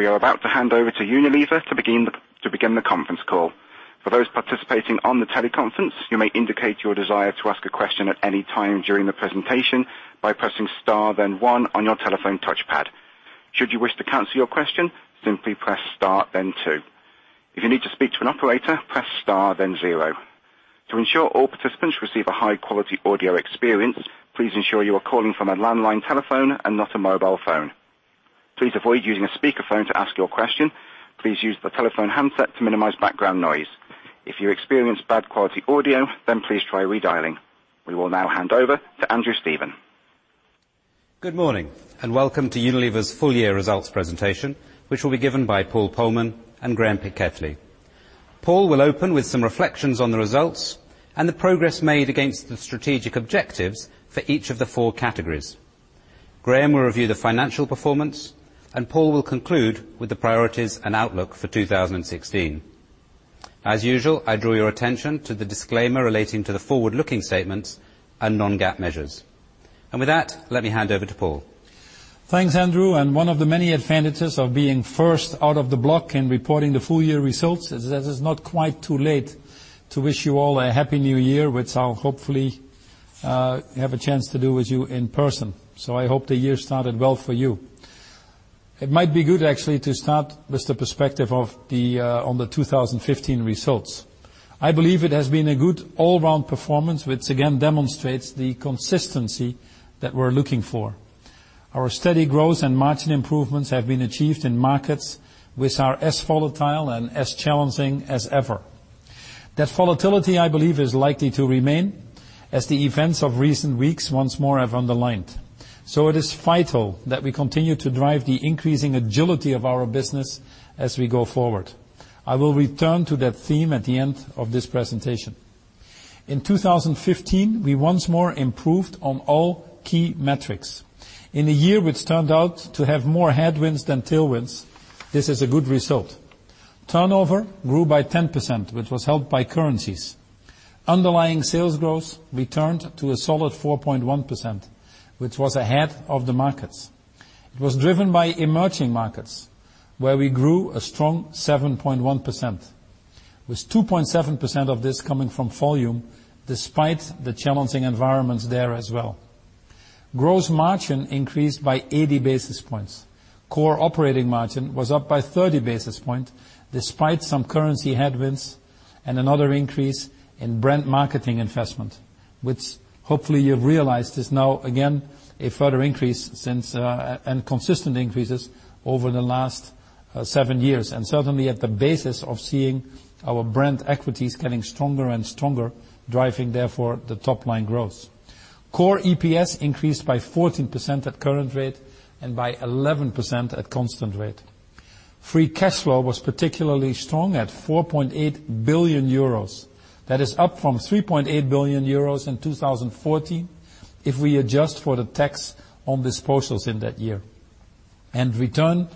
We are about to hand over to Unilever to begin the conference call. For those participating on the teleconference, you may indicate your desire to ask a question at any time during the presentation by pressing star then One on your telephone touchpad. Should you wish to cancel your question, simply press star then Two. If you need to speak to an operator, press star then Zero. To ensure all participants receive a high-quality audio experience, please ensure you are calling from a landline telephone and not a mobile phone. Please avoid using a speakerphone to ask your question. Please use the telephone handset to minimize background noise. If you experience bad quality audio, then please try redialing. We will now hand over to Andrew Stephen. Good morning, welcome to Unilever's full year results presentation, which will be given by Paul Polman and Graeme Pitkethly. Paul will open with some reflections on the results and the progress made against the strategic objectives for each of the four categories. Graeme will review the financial performance, Paul will conclude with the priorities and outlook for 2016. As usual, I draw your attention to the disclaimer relating to the forward-looking statements and non-GAAP measures. With that, let me hand over to Paul. Thanks, Andrew. One of the many advantages of being first out of the block in reporting the full-year results is that it's not quite too late to wish you all a happy New Year, which I'll hopefully have a chance to do with you in person. I hope the year started well for you. It might be good actually to start with the perspective on the 2015 results. I believe it has been a good all-round performance, which again demonstrates the consistency that we're looking for. Our steady growth and margin improvements have been achieved in markets which are as volatile and as challenging as ever. That volatility, I believe, is likely to remain as the events of recent weeks once more have underlined. It is vital that we continue to drive the increasing agility of our business as we go forward. I will return to that theme at the end of this presentation. In 2015, we once more improved on all key metrics. In a year which turned out to have more headwinds than tailwinds, this is a good result. Turnover grew by 10%, which was helped by currencies. Underlying sales growth returned to a solid 4.1%, which was ahead of the markets. It was driven by emerging markets, where we grew a strong 7.1%, with 2.7% of this coming from volume, despite the challenging environments there as well. Gross margin increased by 80 basis points. Core operating margin was up by 30 basis points despite some currency headwinds and another increase in brand marketing investment, which hopefully you've realized is now again a further increase and consistent increases over the last seven years, and certainly at the basis of seeing our brand equities getting stronger and stronger, driving therefore the top-line growth. Core EPS increased by 14% at current rate and by 11% at constant rate. Free cash flow was particularly strong at 4.8 billion euros. That is up from 3.8 billion euros in 2014 if we adjust for the tax on disposals in that year. Return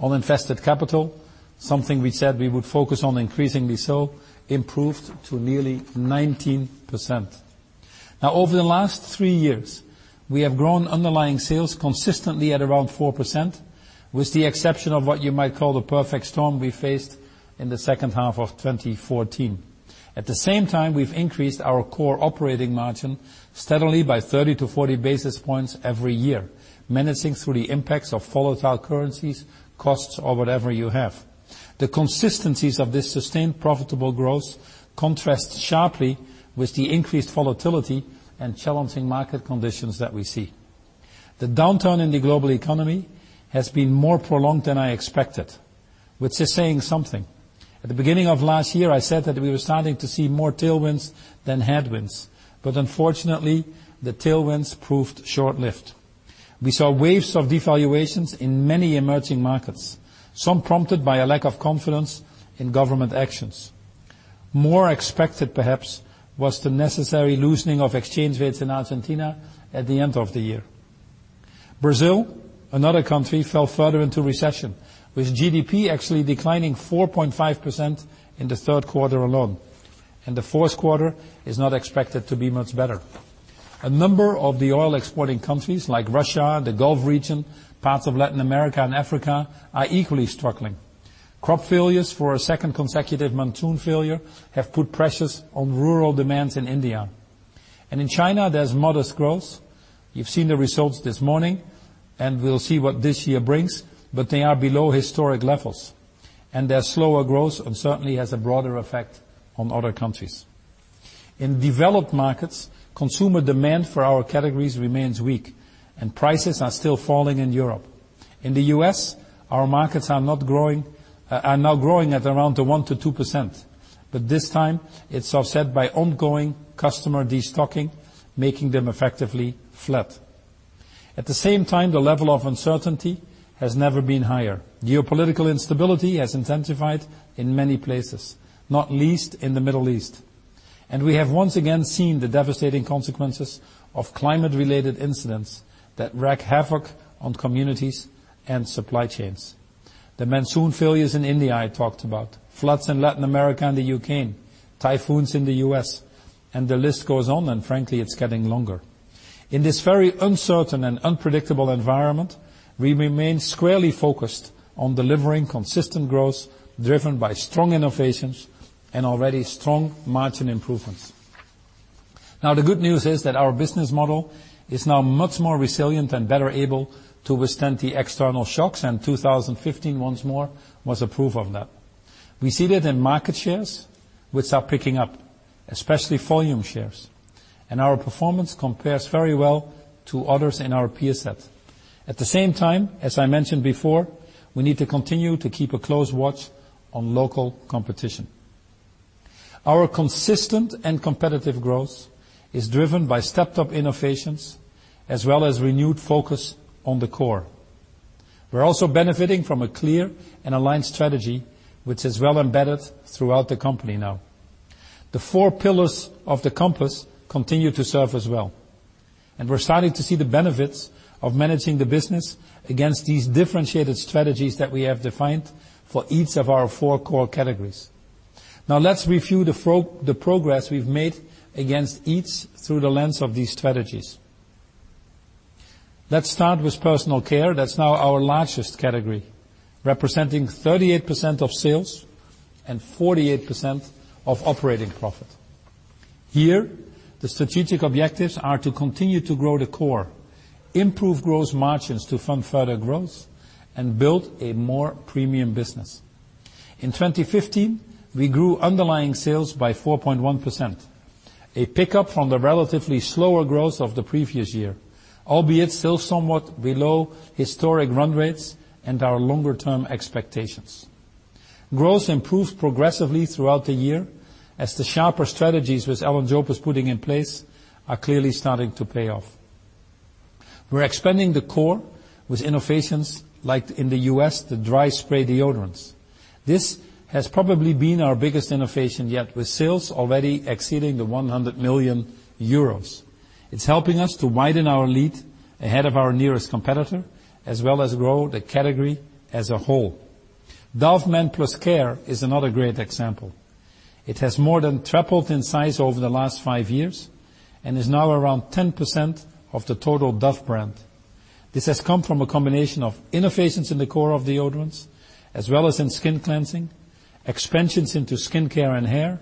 on invested capital, something we said we would focus on increasingly so, improved to nearly 19%. Over the last three years, we have grown underlying sales consistently at around 4%, with the exception of what you might call the perfect storm we faced in the second half of 2014. At the same time, we've increased our core operating margin steadily by 30 to 40 basis points every year, managing through the impacts of volatile currencies, costs or whatever you have. The consistencies of this sustained profitable growth contrast sharply with the increased volatility and challenging market conditions that we see. The downturn in the global economy has been more prolonged than I expected, which is saying something. At the beginning of last year, I said that we were starting to see more tailwinds than headwinds, unfortunately, the tailwinds proved short-lived. We saw waves of devaluations in many emerging markets, some prompted by a lack of confidence in government actions. More expected, perhaps, was the necessary loosening of exchange rates in Argentina at the end of the year. Brazil, another country, fell further into recession, with GDP actually declining 4.5% in the third quarter alone, and the fourth quarter is not expected to be much better. A number of the oil-exporting countries, like Russia, the Gulf region, parts of Latin America and Africa, are equally struggling. Crop failures for a second consecutive monsoon failure have put pressures on rural demands in India. In China, there's modest growth. You've seen the results this morning, and we'll see what this year brings, they are below historic levels, and their slower growth certainly has a broader effect on other countries. In developed markets, consumer demand for our categories remains weak, and prices are still falling in Europe. In the U.S., our markets are now growing at around the 1%-2%, but this time it's offset by ongoing customer destocking, making them effectively flat. At the same time, the level of uncertainty has never been higher. Geopolitical instability has intensified in many places, not least in the Middle East. We have once again seen the devastating consequences of climate-related incidents that wreak havoc on communities and supply chains. The monsoon failures in India I talked about, floods in Latin America and the U.K., typhoons in the U.S., and the list goes on, and frankly, it's getting longer. In this very uncertain and unpredictable environment, we remain squarely focused on delivering consistent growth driven by strong innovations and already strong margin improvements. The good news is that our business model is now much more resilient and better able to withstand the external shocks. 2015 once more was a proof of that. We see that in market shares, which are picking up, especially volume shares. Our performance compares very well to others in our peer set. At the same time, as I mentioned before, we need to continue to keep a close watch on local competition. Our consistent and competitive growth is driven by stepped-up innovations as well as renewed focus on the core. We're also benefiting from a clear and aligned strategy, which is well embedded throughout the company now. The four pillars of the compass continue to serve us well, and we're starting to see the benefits of managing the business against these differentiated strategies that we have defined for each of our four core categories. Let's review the progress we've made against each through the lens of these strategies. Let's start with personal care. That's now our largest category, representing 38% of sales and 48% of operating profit. Here, the strategic objectives are to continue to grow the core, improve growth margins to fund further growth, and build a more premium business. In 2015, we grew underlying sales by 4.1%, a pickup from the relatively slower growth of the previous year, albeit still somewhat below historic run rates and our longer-term expectations. Growth improved progressively throughout the year as the sharper strategies, which Alan Jope was putting in place, are clearly starting to pay off. We're expanding the core with innovations like in the U.S., the dry spray deodorants. This has probably been our biggest innovation yet, with sales already exceeding 100 million euros. It's helping us to widen our lead ahead of our nearest competitor, as well as grow the category as a whole. Dove Men+Care is another great example. It has more than tripled in size over the last five years and is now around 10% of the total Dove brand. This has come from a combination of innovations in the core of deodorants as well as in skin cleansing, expansions into skincare and hair,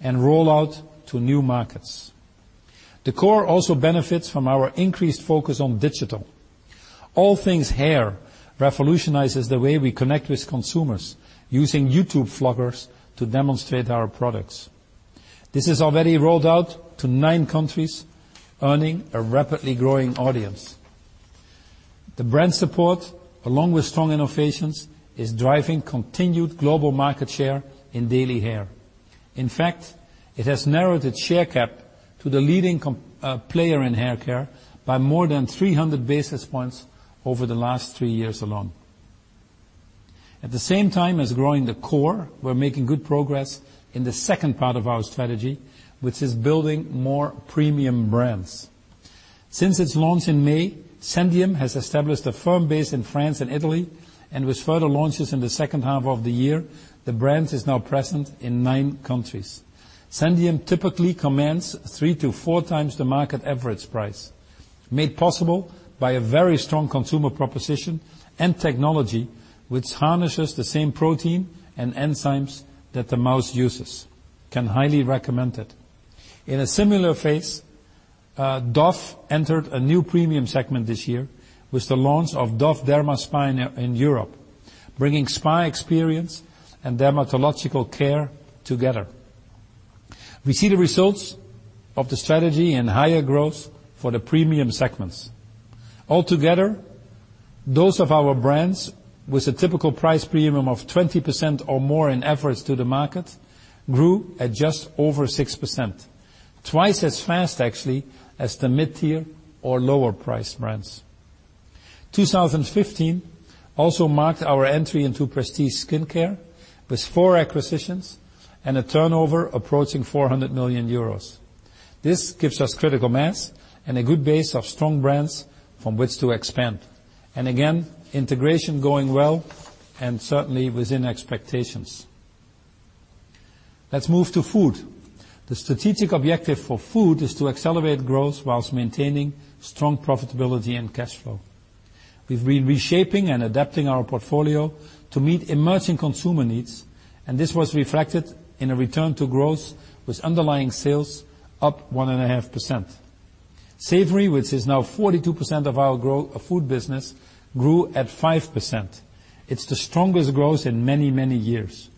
and rollout to new markets. The core also benefits from our increased focus on digital. All Things Hair revolutionizes the way we connect with consumers, using YouTube vloggers to demonstrate our products. This is already rolled out to nine countries, earning a rapidly growing audience. The brand support, along with strong innovations, is driving continued global market share in daily hair. In fact, it has narrowed its share gap to the leading player in hair care by more than 300 basis points over the last three years alone. At the same time as growing the core, we're making good progress in the second part of our strategy, which is building more premium brands. Since its launch in May, Zendium has established a firm base in France and Italy, and with further launches in the second half of the year, the brand is now present in nine countries. Zendium typically commands three to four times the market average price, made possible by a very strong consumer proposition and technology which harnesses the same protein and enzymes that the mouth uses. Can highly recommend it. In a similar phase, Dove entered a new premium segment this year with the launch of Dove DermaSpa in Europe, bringing spa experience and dermatological care together. We see the results of the strategy in higher growth for the premium segments. Altogether, those of our brands with a typical price premium of 20% or more in efforts to the market grew at just over 6%, twice as fast actually as the mid-tier or lower priced brands. 2015 also marked our entry into prestige skincare with four acquisitions and a turnover approaching 400 million euros. This gives us critical mass and a good base of strong brands from which to expand. Again, integration going well and certainly within expectations. Let's move to food. The strategic objective for food is to accelerate growth whilst maintaining strong profitability and cash flow. We've been reshaping and adapting our portfolio to meet emerging consumer needs, and this was reflected in a return to growth, with underlying sales up 1.5%. Savory, which is now 42% of our food business, grew at 5%. It's the strongest growth in many, many years.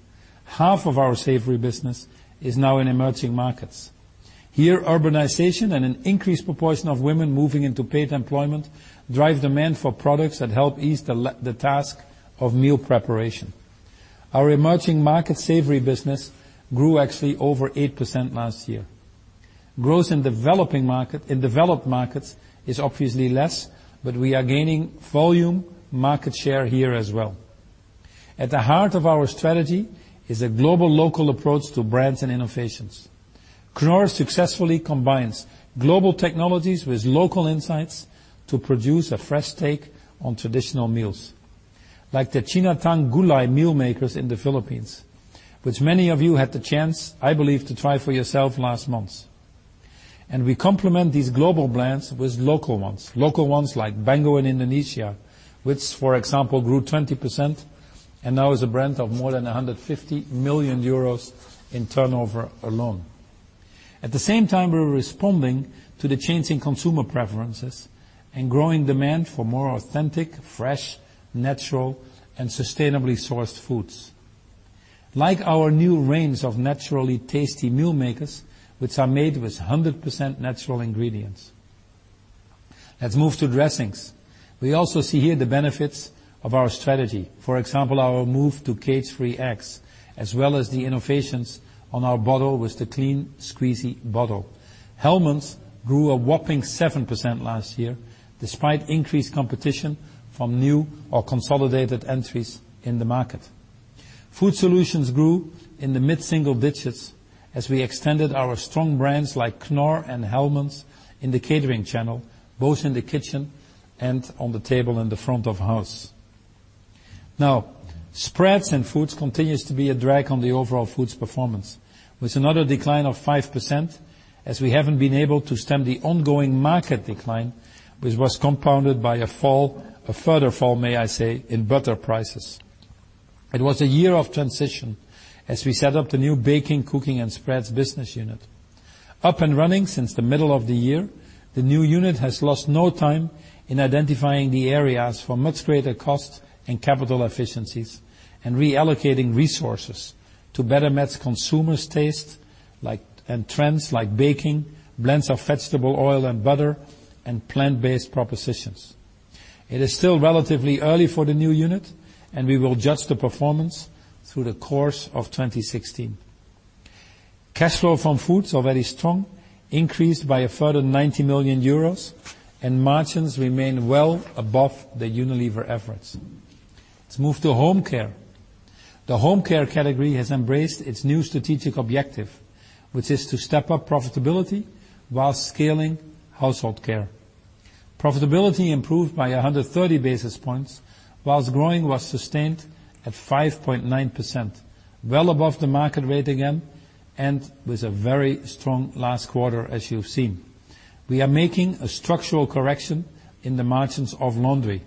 Half of our savory business is now in emerging markets. Here, urbanization and an increased proportion of women moving into paid employment drive demand for products that help ease the task of meal preparation. Our emerging market savory business grew actually over 8% last year. Growth in developed markets is obviously less, but we are gaining volume market share here as well. At the heart of our strategy is a global/local approach to brands and innovations. Knorr successfully combines global technologies with local insights to produce a fresh take on traditional meals. Like the Sinigang na Gulay meal makers in the Philippines, which many of you had the chance, I believe, to try for yourself last month. We complement these global brands with local ones. Local ones like Bango in Indonesia, which, for example, grew 20% and now is a brand of more than 150 million euros in turnover alone. At the same time, we're responding to the changing consumer preferences and growing demand for more authentic, fresh, natural, and sustainably sourced foods. Like our new range of naturally tasty meal makers, which are made with 100% natural ingredients. Let's move to dressings. We also see here the benefits of our strategy. For example, our move to cage-free eggs, as well as the innovations on our bottle with the clean, squeezy bottle. Hellmann's grew a whopping 7% last year, despite increased competition from new or consolidated entries in the market. Food Solutions grew in the mid-single digits as we extended our strong brands like Knorr and Hellmann's in the catering channel, both in the kitchen and on the table in the front of house. Now, spreads and foods continues to be a drag on the overall foods performance. With another decline of 5%, as we haven't been able to stem the ongoing market decline, which was compounded by a fall, a further fall, may I say, in butter prices. It was a year of transition as we set up the new baking, cooking, and spreads business unit. Up and running since the middle of the year, the new unit has lost no time in identifying the areas for much greater cost and capital efficiencies and reallocating resources to better meet consumers' taste and trends like baking, blends of vegetable oil and butter, and plant-based propositions. It is still relatively early for the new unit, and we will judge the performance through the course of 2016. Cash flow from foods are very strong, increased by a further 90 million euros, and margins remain well above the Unilever efforts. Let's move to Home Care. The Home Care category has embraced its new strategic objective, which is to step up profitability while scaling Household Care. Profitability improved by 130 basis points, whilst growing was sustained at 5.9%, well above the market rate again, and with a very strong last quarter, as you've seen. We are making a structural correction in the margins of laundry.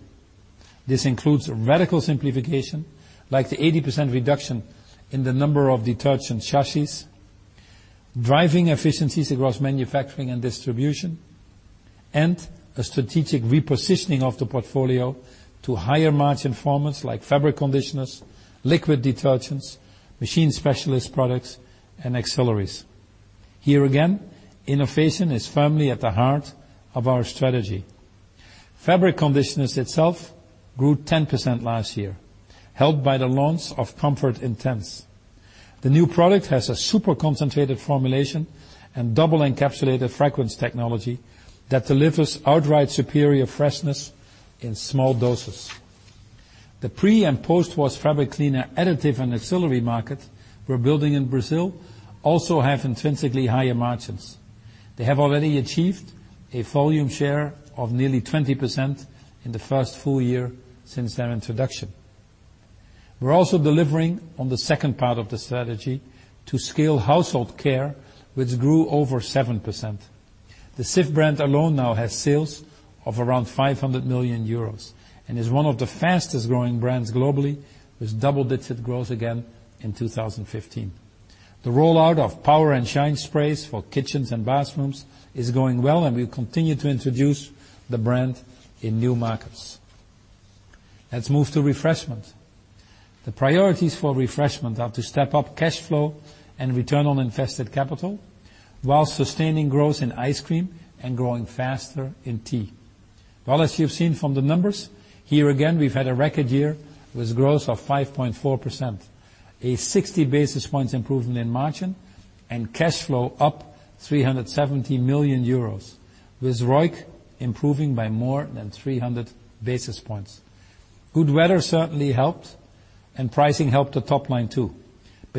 This includes radical simplification, like the 80% reduction in the number of detergent chassis, driving efficiencies across manufacturing and distribution, and a strategic repositioning of the portfolio to higher margin formats like fabric conditioners, liquid detergents, machine specialist products, and auxiliaries. Here again, innovation is firmly at the heart of our strategy. Fabric conditioners itself grew 10% last year, helped by the launch of Comfort Intense. The new product has a super concentrated formulation and double encapsulated fragrance technology that delivers outright superior freshness in small doses. The pre- and post-wash fabric cleaner additive and auxiliary market we're building in Brazil also have intrinsically higher margins. They have already achieved a volume share of nearly 20% in the first full year since their introduction. We're also delivering on the second part of the strategy to scale Household Care, which grew over 7%. The Cif brand alone now has sales of around 500 million euros and is one of the fastest-growing brands globally with double-digit growth again in 2015. The rollout of Power & Shine Sprays for kitchens and bathrooms is going well, and we continue to introduce the brand in new markets. Let's move to Refreshment. The priorities for Refreshment are to step up cash flow and return on invested capital while sustaining growth in ice cream and growing faster in tea. Well, as you've seen from the numbers, here again, we've had a record year with growth of 5.4%, a 60 basis points improvement in margin, and cash flow up 370 million euros, with ROIC improving by more than 300 basis points. Good weather certainly helped, and pricing helped the top line too.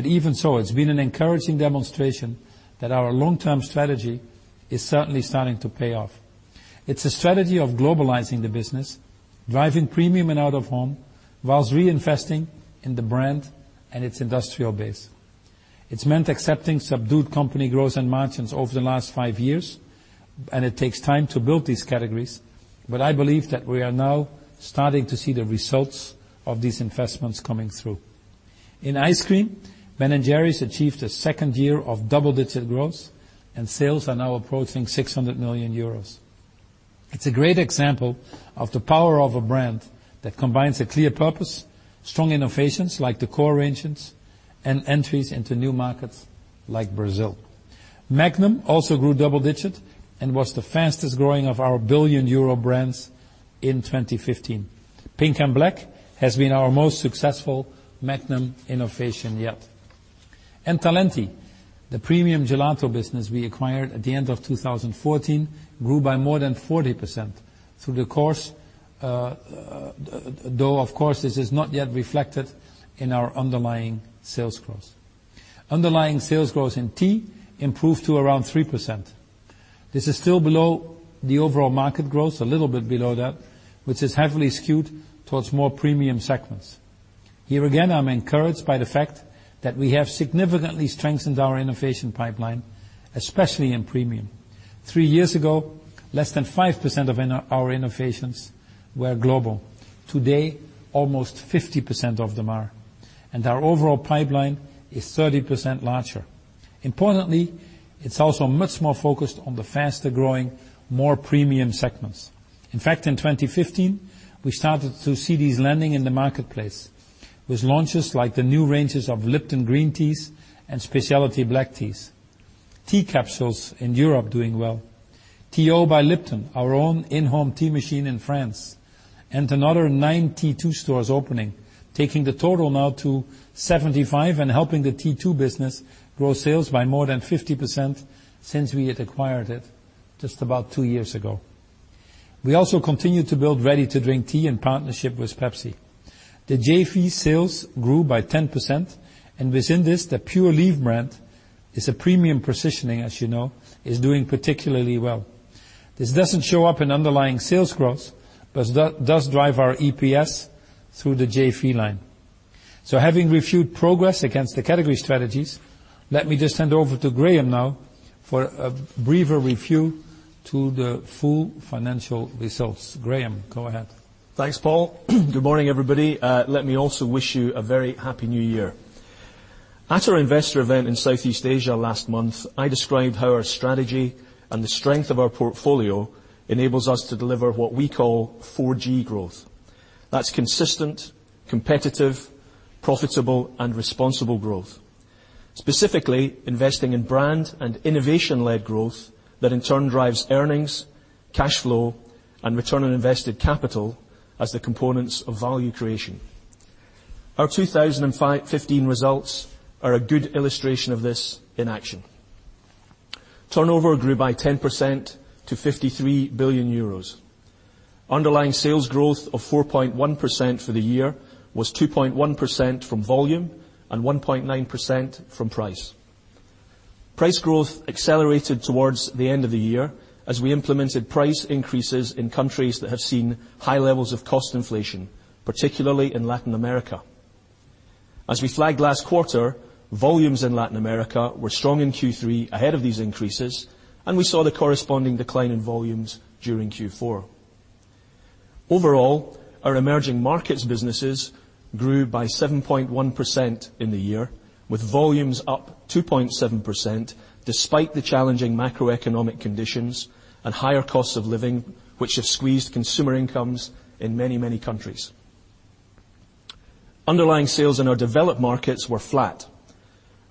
Even so, it's been an encouraging demonstration that our long-term strategy is certainly starting to pay off. It's a strategy of globalizing the business, driving premium and out of home, whilst reinvesting in the brand and its industrial base. It's meant accepting subdued company growth and margins over the last five years. It takes time to build these categories, but I believe that we are now starting to see the results of these investments coming through. In ice cream, Ben & Jerry's achieved a second year of double-digit growth, and sales are now approaching 600 million euros. It's a great example of the power of a brand that combines a clear purpose, strong innovations like the Cores, and entries into new markets like Brazil. Magnum also grew double-digit and was the fastest growing of our billion-euro brands in 2015. Pink & Black has been our most successful Magnum innovation yet. Talenti, the premium gelato business we acquired at the end of 2014, grew by more than 40% through the course, though, of course, this is not yet reflected in our underlying sales growth. Underlying sales growth in tea improved to around 3%. This is still below the overall market growth, a little bit below that, which is heavily skewed towards more premium segments. Here again, I'm encouraged by the fact that we have significantly strengthened our innovation pipeline, especially in premium. Three years ago, less than 5% of our innovations were global. Today, almost 50% of them are, and our overall pipeline is 30% larger. Importantly, it's also much more focused on the faster-growing, more premium segments. In fact, in 2015, we started to see these landing in the marketplace with launches like the new ranges of Lipton green teas and specialty black teas, tea capsules in Europe doing well, T.O by Lipton, our own in-home tea machine in France, and another nine T2 stores opening, taking the total now to 75 and helping the T2 business grow sales by more than 50% since we had acquired it just about two years ago. We also continued to build ready-to-drink tea in partnership with PepsiCo. The JV sales grew by 10%, and within this, the Pure Leaf brand is a premium positioning, as you know, is doing particularly well. This doesn't show up in underlying sales growth, but does drive our EPS through the JV line. Having reviewed progress against the category strategies, let me just hand over to Graeme Pitkethly now for a briefer review to the full financial results. Graeme Pitkethly, go ahead. Thanks, Paul Polman. Good morning, everybody. Let me also wish you a very happy New Year. At our investor event in Southeast Asia last month, I described how our strategy and the strength of our portfolio enables us to deliver what we call 4G growth. That's consistent, competitive, profitable, and responsible growth. Specifically investing in brand and innovation-led growth that in turn drives earnings, cash flow, and return on invested capital as the components of value creation. Our 2015 results are a good illustration of this in action. Turnover grew by 10% to 53 billion euros. Underlying sales growth of 4.1% for the year was 2.1% from volume and 1.9% from price. Price growth accelerated towards the end of the year as we implemented price increases in countries that have seen high levels of cost inflation, particularly in Latin America. As we flagged last quarter, volumes in Latin America were strong in Q3 ahead of these increases, and we saw the corresponding decline in volumes during Q4. Overall, our emerging markets businesses grew by 7.1% in the year, with volumes up 2.7%, despite the challenging macroeconomic conditions and higher costs of living, which have squeezed consumer incomes in many, many countries. Underlying sales in our developed markets were flat.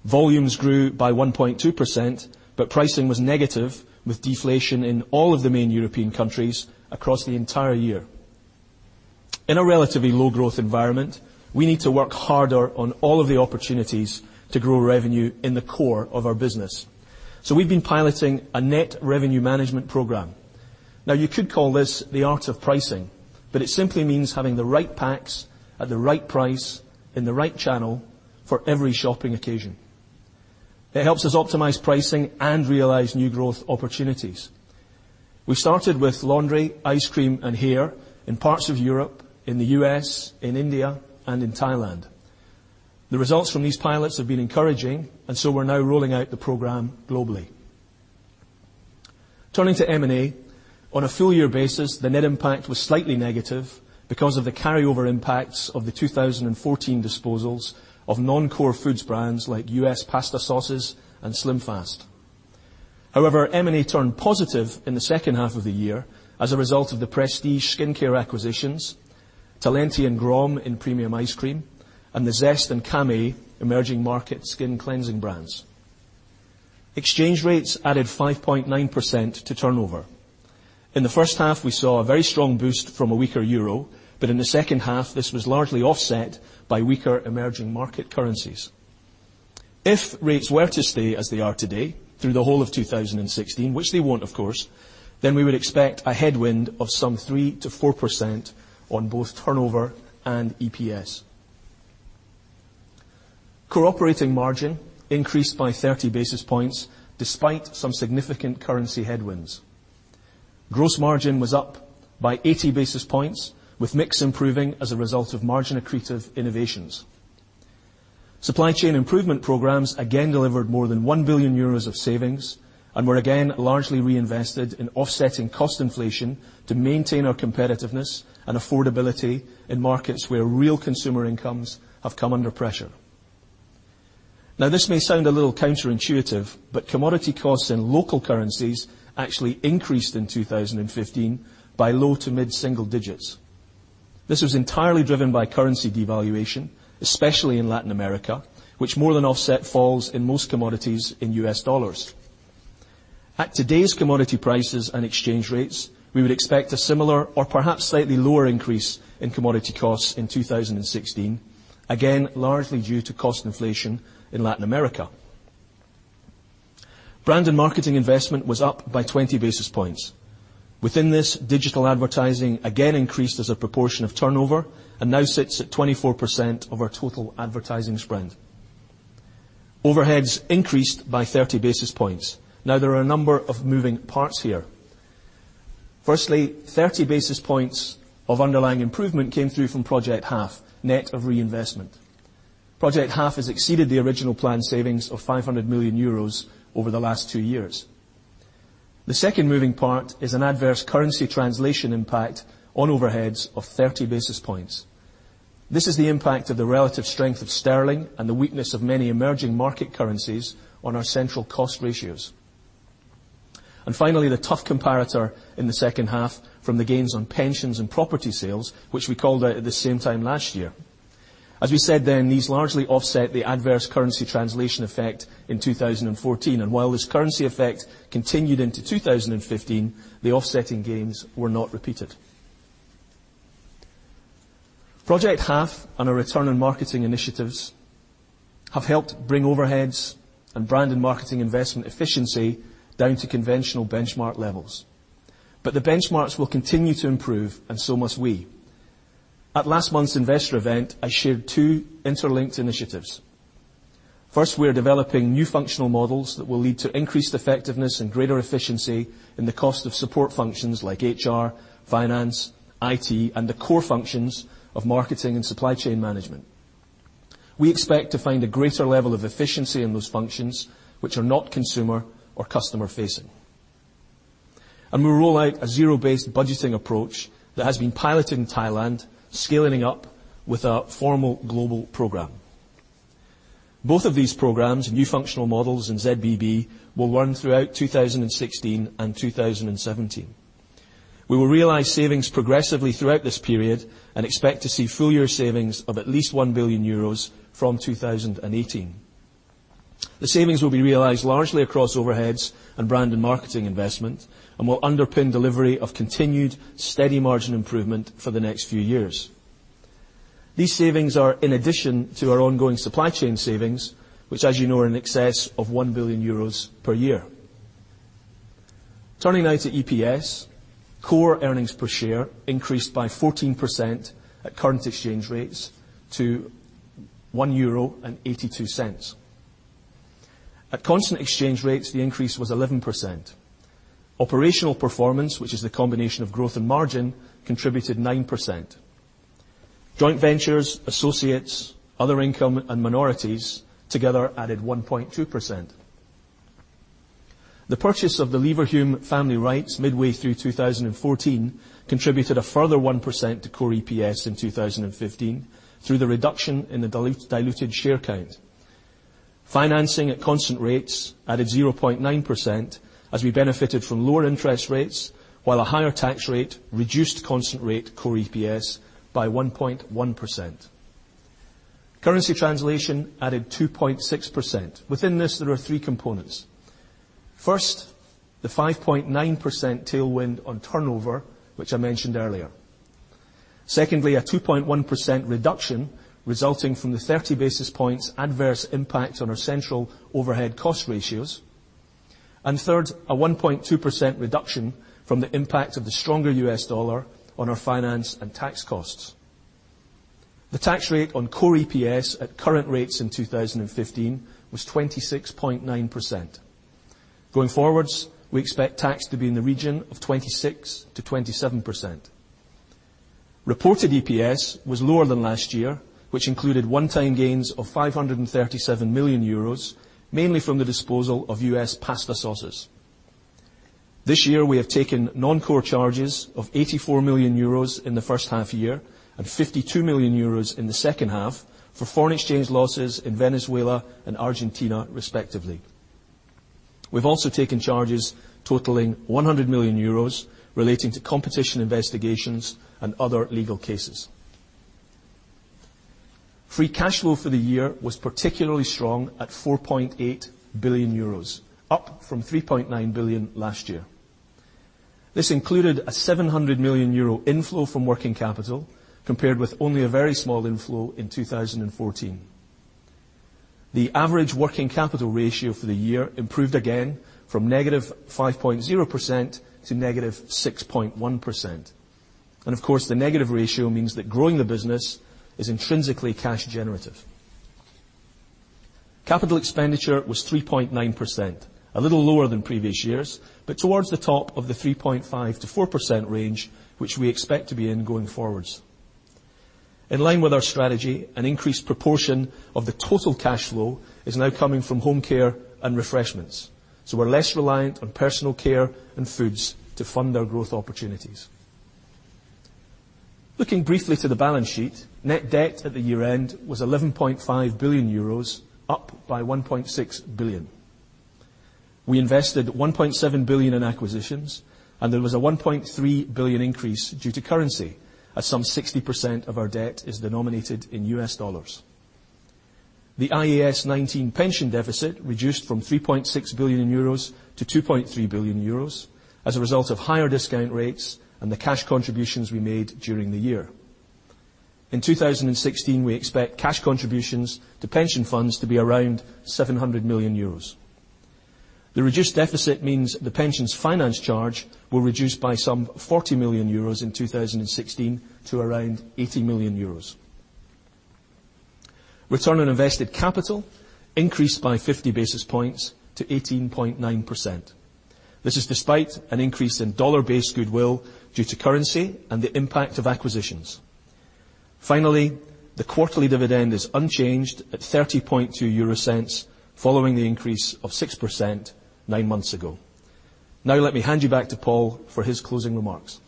Volumes grew by 1.2%, pricing was negative, with deflation in all of the main European countries across the entire year. In a relatively low-growth environment, we need to work harder on all of the opportunities to grow revenue in the core of our business. We've been piloting a net revenue management program. You could call this the art of pricing, it simply means having the right packs at the right price in the right channel for every shopping occasion. It helps us optimize pricing and realize new growth opportunities. We started with laundry, ice cream, and hair in parts of Europe, in the U.S., in India, and in Thailand. The results from these pilots have been encouraging, we're now rolling out the program globally. Turning to M&A, on a full year basis, the net impact was slightly negative because of the carryover impacts of the 2014 disposals of non-core foods brands like U.S. pasta sauces and SlimFast. However, M&A turned positive in the second half of the year as a result of the prestige skincare acquisitions, Talenti and Grom in premium ice cream, and the Zest and Camay emerging market skin cleansing brands. Exchange rates added 5.9% to turnover. In the first half, we saw a very strong boost from a weaker euro, in the second half, this was largely offset by weaker emerging market currencies. If rates were to stay as they are today through the whole of 2016, which they won't of course, we would expect a headwind of some 3% to 4% on both turnover and EPS. Core operating margin increased by 30 basis points despite some significant currency headwinds. Gross margin was up by 80 basis points, with mix improving as a result of margin-accretive innovations. Supply chain improvement programs again delivered more than 1 billion euros of savings and were again largely reinvested in offsetting cost inflation to maintain our competitiveness and affordability in markets where real consumer incomes have come under pressure. This may sound a little counterintuitive, commodity costs in local currencies actually increased in 2015 by low to mid-single digits. This was entirely driven by currency devaluation, especially in Latin America, which more than offset falls in most commodities in U.S. dollars. At today's commodity prices and exchange rates, we would expect a similar or perhaps slightly lower increase in commodity costs in 2016, again, largely due to cost inflation in Latin America. Brand and marketing investment was up by 20 basis points. Within this, digital advertising again increased as a proportion of turnover and now sits at 24% of our total advertising spend. Overheads increased by 30 basis points. There are a number of moving parts here. Firstly, 30 basis points of underlying improvement came through from Project Half, net of reinvestment. Project Half has exceeded the original planned savings of 500 million euros over the last 2 years. The second moving part is an adverse currency translation impact on overheads of 30 basis points. This is the impact of the relative strength of sterling and the weakness of many emerging market currencies on our central cost ratios. Finally, the tough comparator in the second half from the gains on pensions and property sales, which we called out at the same time last year. As we said then, these largely offset the adverse currency translation effect in 2014, and while this currency effect continued into 2015, the offsetting gains were not repeated. Project Half and our return on marketing initiatives have helped bring overheads and brand and marketing investment efficiency down to conventional benchmark levels. The benchmarks will continue to improve, and so must we. At last month's investor event, I shared 2 interlinked initiatives. First, we're developing new functional models that will lead to increased effectiveness and greater efficiency in the cost of support functions like HR, finance, IT, and the core functions of marketing and supply chain management. We expect to find a greater level of efficiency in those functions which are not consumer or customer-facing. We'll roll out a Zero-Based Budgeting approach that has been piloted in Thailand, scaling up with a formal global program. Both of these programs, new functional models and ZBB, will run throughout 2016 and 2017. We will realize savings progressively throughout this period and expect to see full-year savings of at least 1 billion euros from 2018. The savings will be realized largely across overheads and brand and marketing investment and will underpin delivery of continued steady margin improvement for the next few years. These savings are in addition to our ongoing supply chain savings, which as you know are in excess of 1 billion euros per year. Turning now to EPS. Core earnings per share increased by 14% at current exchange rates to 1.82 euro. At constant exchange rates, the increase was 11%. Operational performance, which is the combination of growth and margin, contributed 9%. Joint ventures, associates, other income, and minorities together added 1.2%. The purchase of the Leverhulme family rights midway through 2014 contributed a further 1% to core EPS in 2015 through the reduction in the diluted share count. Financing at constant rates added 0.9% as we benefited from lower interest rates, while a higher tax rate reduced constant rate core EPS by 1.1%. Currency translation added 2.6%. Within this, there are 3 components. First, the 5.9% tailwind on turnover, which I mentioned earlier. Secondly, a 2.1% reduction resulting from the 30 basis points adverse impact on our central overhead cost ratios. Third, a 1.2% reduction from the impact of the stronger U.S. dollar on our finance and tax costs. The tax rate on core EPS at current rates in 2015 was 26.9%. Going forwards, we expect tax to be in the region of 26%-27%. Reported EPS was lower than last year, which included one-time gains of 537 million euros, mainly from the disposal of U.S. pasta sauces. This year, we have taken non-core charges of 84 million euros in the first half and 52 million euros in the second half for foreign exchange losses in Venezuela and Argentina, respectively. We've also taken charges totaling 100 million euros relating to competition investigations and other legal cases. Free cash flow for the year was particularly strong at 4.8 billion euros, up from 3.9 billion last year. This included a €700 million inflow from working capital, compared with only a very small inflow in 2014. The average working capital ratio for the year improved again from -5.0% to -6.1%. Of course, the negative ratio means that growing the business is intrinsically cash generative. Capital expenditure was 3.9%, a little lower than previous years, but towards the top of the 3.5%-4% range, which we expect to be in going forwards. In line with our strategy, an increased proportion of the total cash flow is now coming from Home Care and Refreshments, we're less reliant on Personal Care and Foods to fund our growth opportunities. Looking briefly to the balance sheet, net debt at the year-end was €11.5 billion, up by 1.6 billion. We invested 1.7 billion in acquisitions, there was a 1.3 billion increase due to currency, as some 60% of our debt is denominated in US dollars. The IAS 19 pension deficit reduced from €3.6 billion to €2.3 billion as a result of higher discount rates and the cash contributions we made during the year. In 2016, we expect cash contributions to pension funds to be around €700 million. The reduced deficit means the pension's finance charge will reduce by some €40 million in 2016 to around €80 million. Return on invested capital increased by 50 basis points to 18.9%. This is despite an increase in dollar-based goodwill due to currency and the impact of acquisitions. Finally, the quarterly dividend is unchanged at 0.302, following the increase of 6% nine months ago. Let me hand you back to Paul for his closing remarks.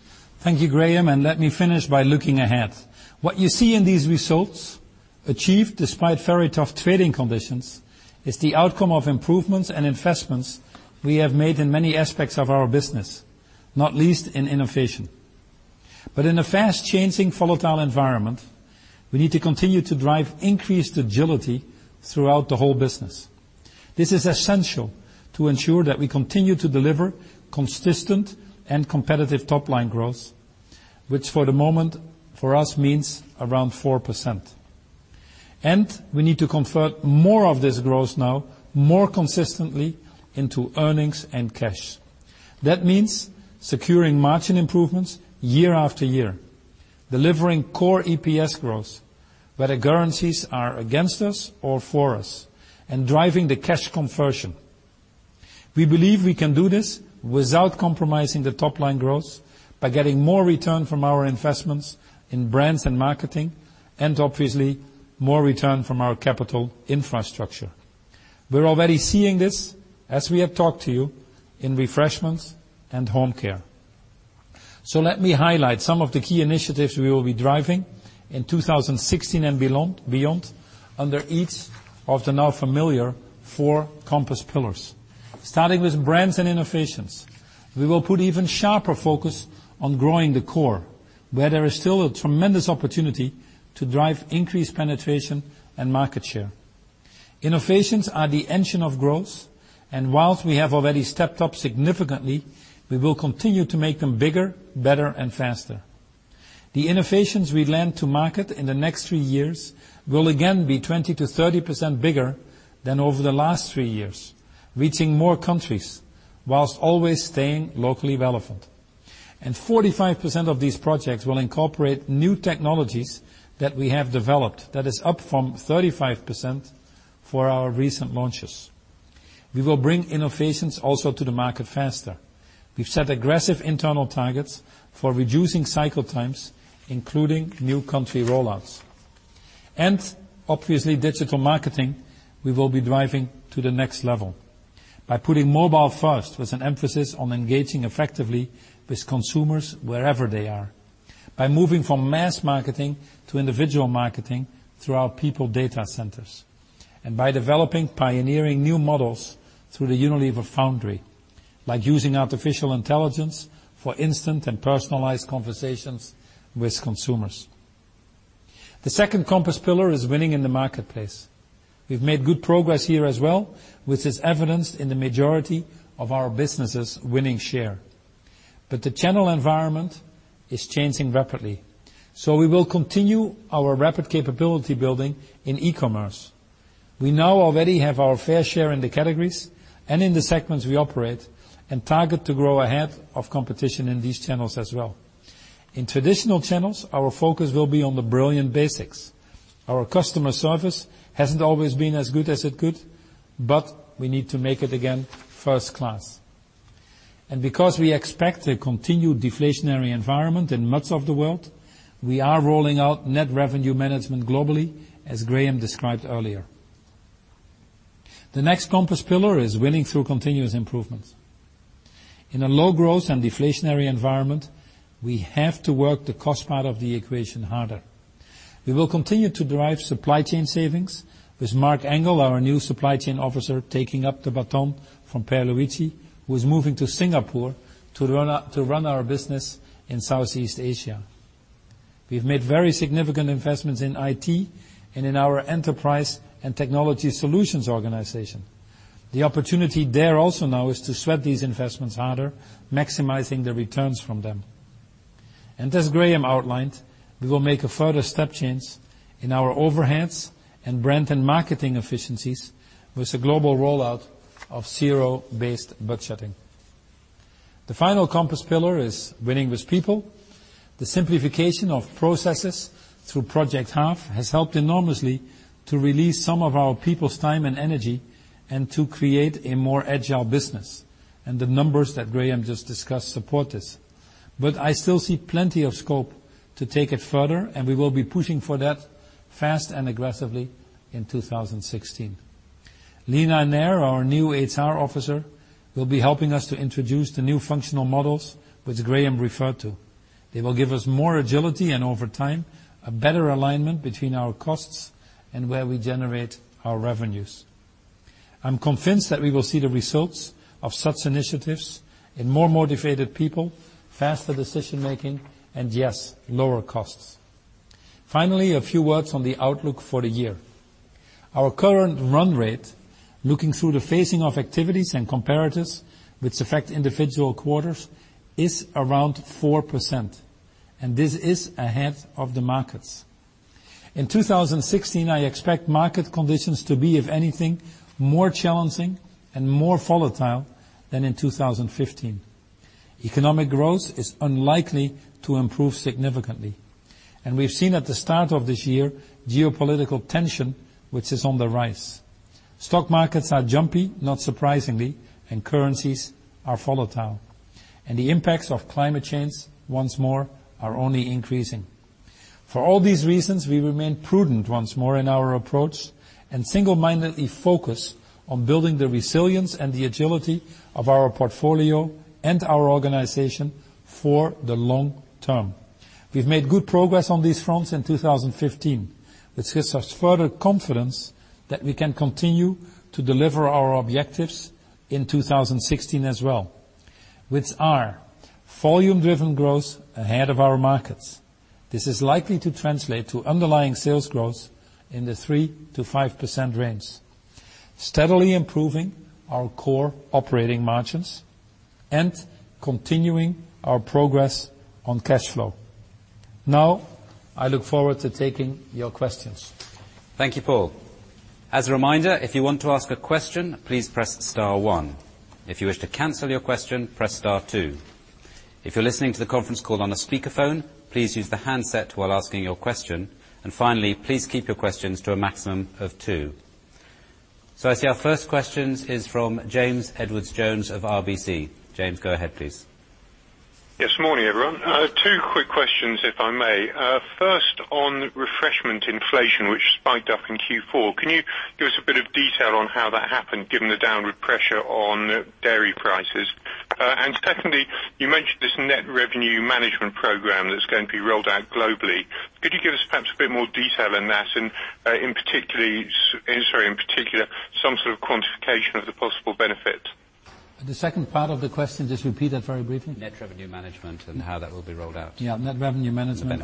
Thank you, Graeme, let me finish by looking ahead. What you see in these results, achieved despite very tough trading conditions, is the outcome of improvements and investments we have made in many aspects of our business, not least in innovation. In a fast-changing volatile environment, we need to continue to drive increased agility throughout the whole business. This is essential to ensure that we continue to deliver consistent and competitive top-line growth, which for the moment, for us, means around 4%. We need to convert more of this growth now more consistently into earnings and cash. That means securing margin improvements year after year, delivering core EPS growth, whether currencies are against us or for us, and driving the cash conversion. We believe we can do this without compromising the top-line growth by getting more return from our investments in brands and marketing, and obviously, more return from our capital infrastructure. We're already seeing this, as we have talked to you, in Refreshments and Home Care. Let me highlight some of the key initiatives we will be driving in 2016 and beyond under each of the now familiar Four Compass Pillars. Starting with brands and innovations, we will put even sharper focus on growing the core, where there is still a tremendous opportunity to drive increased penetration and market share. Innovations are the engine of growth, whilst we have already stepped up significantly, we will continue to make them bigger, better, and faster. The innovations we land to market in the next three years will again be 20%-30% bigger than over the last three years, reaching more countries whilst always staying locally relevant. 45% of these projects will incorporate new technologies that we have developed. That is up from 35% for our recent launches. We will bring innovations also to the market faster. We've set aggressive internal targets for reducing cycle times, including new country rollouts. Obviously, digital marketing, we will be driving to the next level by putting mobile first with an emphasis on engaging effectively with consumers wherever they are, by moving from mass marketing to individual marketing through our People Data Centers, by developing pioneering new models through the Unilever Foundry, like using artificial intelligence for instant and personalized conversations with consumers. The second compass pillar is winning in the marketplace. We've made good progress here as well, which is evidenced in the majority of our businesses winning share. The channel environment is changing rapidly, so we will continue our rapid capability building in e-commerce. We now already have our fair share in the categories and in the segments we operate and target to grow ahead of competition in these channels as well. In traditional channels, our focus will be on the brilliant basics. Our customer service hasn't always been as good as it could, but we need to make it, again, first class. Because we expect a continued deflationary environment in much of the world, we are rolling out net revenue management globally, as Graeme described earlier. The next compass pillar is winning through continuous improvements. In a low growth and deflationary environment, we have to work the cost part of the equation harder. We will continue to drive supply chain savings with Marc Engel, our new supply chain officer, taking up the baton from Pierluigi, who is moving to Singapore to run our business in Southeast Asia. We've made very significant investments in IT and in our enterprise and technology solutions organization. The opportunity there also now is to sweat these investments harder, maximizing the returns from them. As Graeme outlined, we will make a further step change in our overheads and brand and marketing efficiencies with the global rollout of Zero-Based Budgeting. The final compass pillar is winning with people. The simplification of processes through Project Half has helped enormously to release some of our people's time and energy and to create a more agile business, the numbers that Graeme just discussed support this. I still see plenty of scope to take it further, we will be pushing for that fast and aggressively in 2016. Leena Nair, our new HR officer, will be helping us to introduce the new functional models which Graeme referred to. They will give us more agility, over time, a better alignment between our costs and where we generate our revenues. I'm convinced that we will see the results of such initiatives in more motivated people, faster decision making, yes, lower costs. Finally, a few words on the outlook for the year. Our current run rate, looking through the phasing of activities and comparatives which affect individual quarters, is around 4%, this is ahead of the markets. In 2016, I expect market conditions to be, if anything, more challenging and more volatile than in 2015. Economic growth is unlikely to improve significantly. We've seen at the start of this year geopolitical tension, which is on the rise. Stock markets are jumpy, not surprisingly, and currencies are volatile. The impacts of climate change, once more, are only increasing. For all these reasons, we remain prudent once more in our approach, and single-mindedly focused on building the resilience and the agility of our portfolio and our organization for the long term. We've made good progress on these fronts in 2015, which gives us further confidence that we can continue to deliver our objectives in 2016 as well, which are volume-driven growth ahead of our markets. This is likely to translate to underlying sales growth in the 3%-5% range, steadily improving our core operating margins, and continuing our progress on cash flow. I look forward to taking your questions. Thank you, Paul. As a reminder, if you want to ask a question, please press star one. If you wish to cancel your question, press star two. If you're listening to the conference call on a speakerphone, please use the handset while asking your question, and finally, please keep your questions to a maximum of two. I see our first question is from James Edwardes Jones of RBC. James, go ahead, please. Yes, morning, everyone. Two quick questions, if I may. First, on refreshment inflation, which spiked up in Q4. Can you give us a bit of detail on how that happened, given the downward pressure on dairy prices? Secondly, you mentioned this Net Revenue Management program that's going to be rolled out globally. Could you give us perhaps a bit more detail on that and, in particular, some sort of quantification of the possible benefit? The second part of the question, just repeat that very briefly. Net revenue management and how that will be rolled out. Yeah, net revenue management.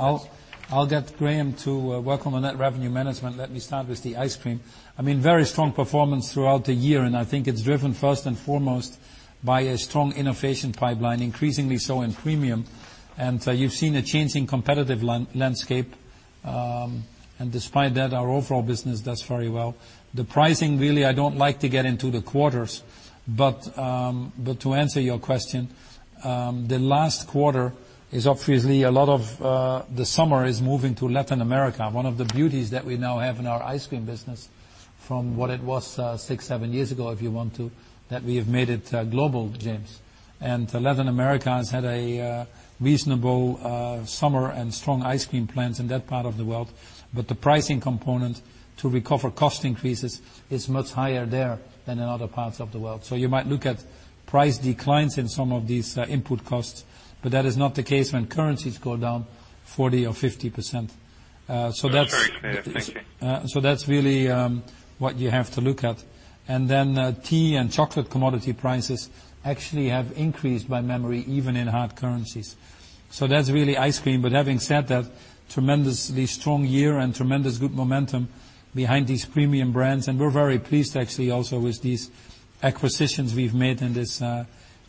I'll get Graeme to work on the net revenue management. Let me start with the ice cream. Very strong performance throughout the year. I think it's driven first and foremost by a strong innovation pipeline, increasingly so in premium. You've seen a changing competitive landscape, despite that, our overall business does very well. The pricing really, I don't like to get into the quarters, but to answer your question, the last quarter is obviously a lot of the summer is moving to Latin America. One of the beauties that we now have in our ice cream business from what it was six, seven years ago, if you want to, that we have made it global, James. Latin America has had a reasonable summer and strong ice cream plans in that part of the world. The pricing component to recover cost increases is much higher there than in other parts of the world. You might look at price declines in some of these input costs, but that is not the case when currencies go down 40% or 50%. That's. That's very clear. Thank you. That's really what you have to look at. Tea and chocolate commodity prices actually have increased by memory, even in hard currencies. That's really ice cream. Having said that, tremendously strong year and tremendous good momentum behind these premium brands. We're very pleased actually also with these acquisitions we've made in this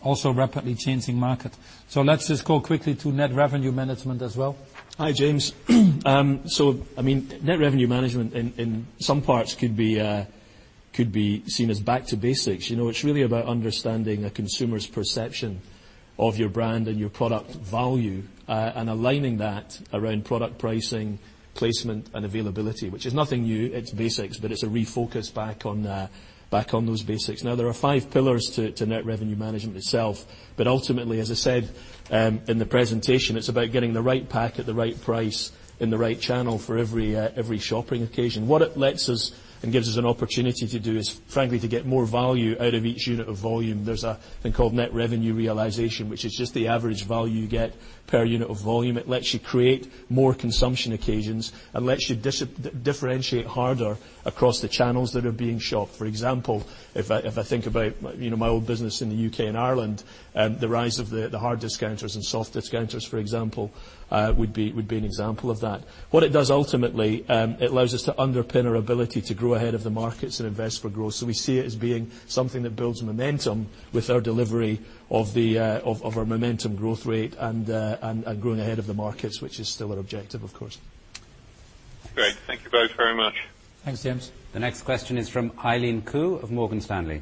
also rapidly changing market. Let's just go quickly to net revenue management as well. Hi, James. Net revenue management in some parts could be seen as back to basics. It's really about understanding a consumer's perception of your brand and your product value, and aligning that around product pricing, placement, and availability, which is nothing new, it's basics, but it's a refocus back on those basics. Now, there are five pillars to net revenue management itself. Ultimately, as I said in the presentation, it's about getting the right pack at the right price in the right channel for every shopping occasion. What it lets us and gives us an opportunity to do is, frankly, to get more value out of each unit of volume. There's a thing called net revenue realization, which is just the average value you get per unit of volume. It lets you create more consumption occasions and lets you differentiate harder across the channels that are being shopped. For example, if I think about my old business in the U.K. and Ireland, the rise of the hard discounters and soft discounters, for example, would be an example of that. What it does ultimately, it allows us to underpin our ability to grow ahead of the markets and invest for growth. We see it as being something that builds momentum with our delivery of our momentum growth rate and growing ahead of the markets, which is still our objective, of course. Great. Thank you both very much. Thanks, James. The next question is from Eileen Khoo of Morgan Stanley.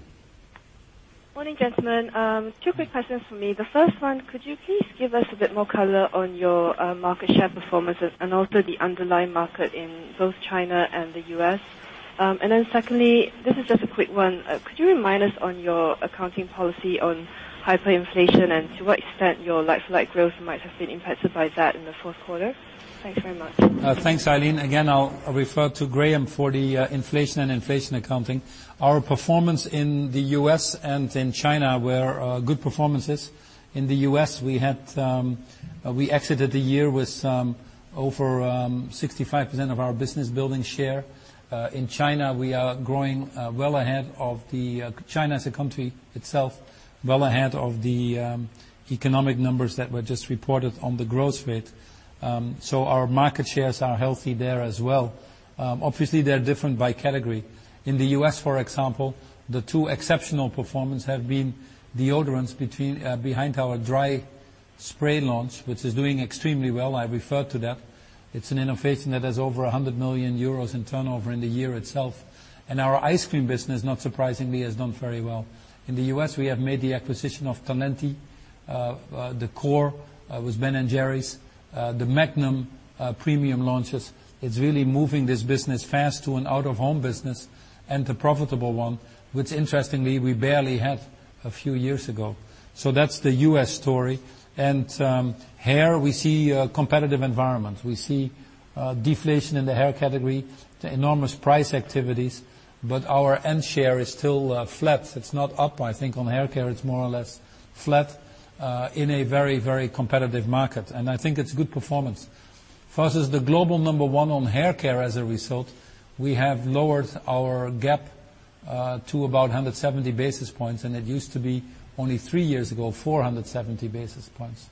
Morning, gentlemen. Two quick questions for me. The first one, could you please give us a bit more color on your market share performances and also the underlying market in both China and the U.S.? Secondly, this is just a quick one. Could you remind us on your accounting policy on hyperinflation and to what extent your like-for-like growth might have been impacted by that in the fourth quarter? Thanks very much. Thanks, Eileen. Again, I'll refer to Graeme for the inflation and inflation accounting. Our performance in the U.S. and in China were good performances. In the U.S., we exited the year with over 65% of our business building share. In China, we are growing well ahead of the, China as a country itself, well ahead of the economic numbers that were just reported on the growth rate. Our market shares are healthy there as well. Obviously, they're different by category. In the U.S., for example, the two exceptional performance have been deodorants behind our Dry Spray launch, which is doing extremely well. I referred to that. It's an innovation that has over 100 million euros in turnover in the year itself. Our ice cream business, not surprisingly, has done very well. In the U.S., we have made the acquisition of Talenti. The core was Ben & Jerry's, the Magnum premium launches. It's really moving this business fast to an out-of-home business and to profitable one, which interestingly, we barely had a few years ago. That's the U.S. story. Hair, we see a competitive environment. We see deflation in the hair category, enormous price activities, but our end share is still flat. It's not up, I think, on hair care. It's more or less flat, in a very competitive market, and I think it's a good performance. For us as the global number one on hair care as a result, we have lowered our gap to about 170 basis points, and it used to be, only three years ago, 470 basis points.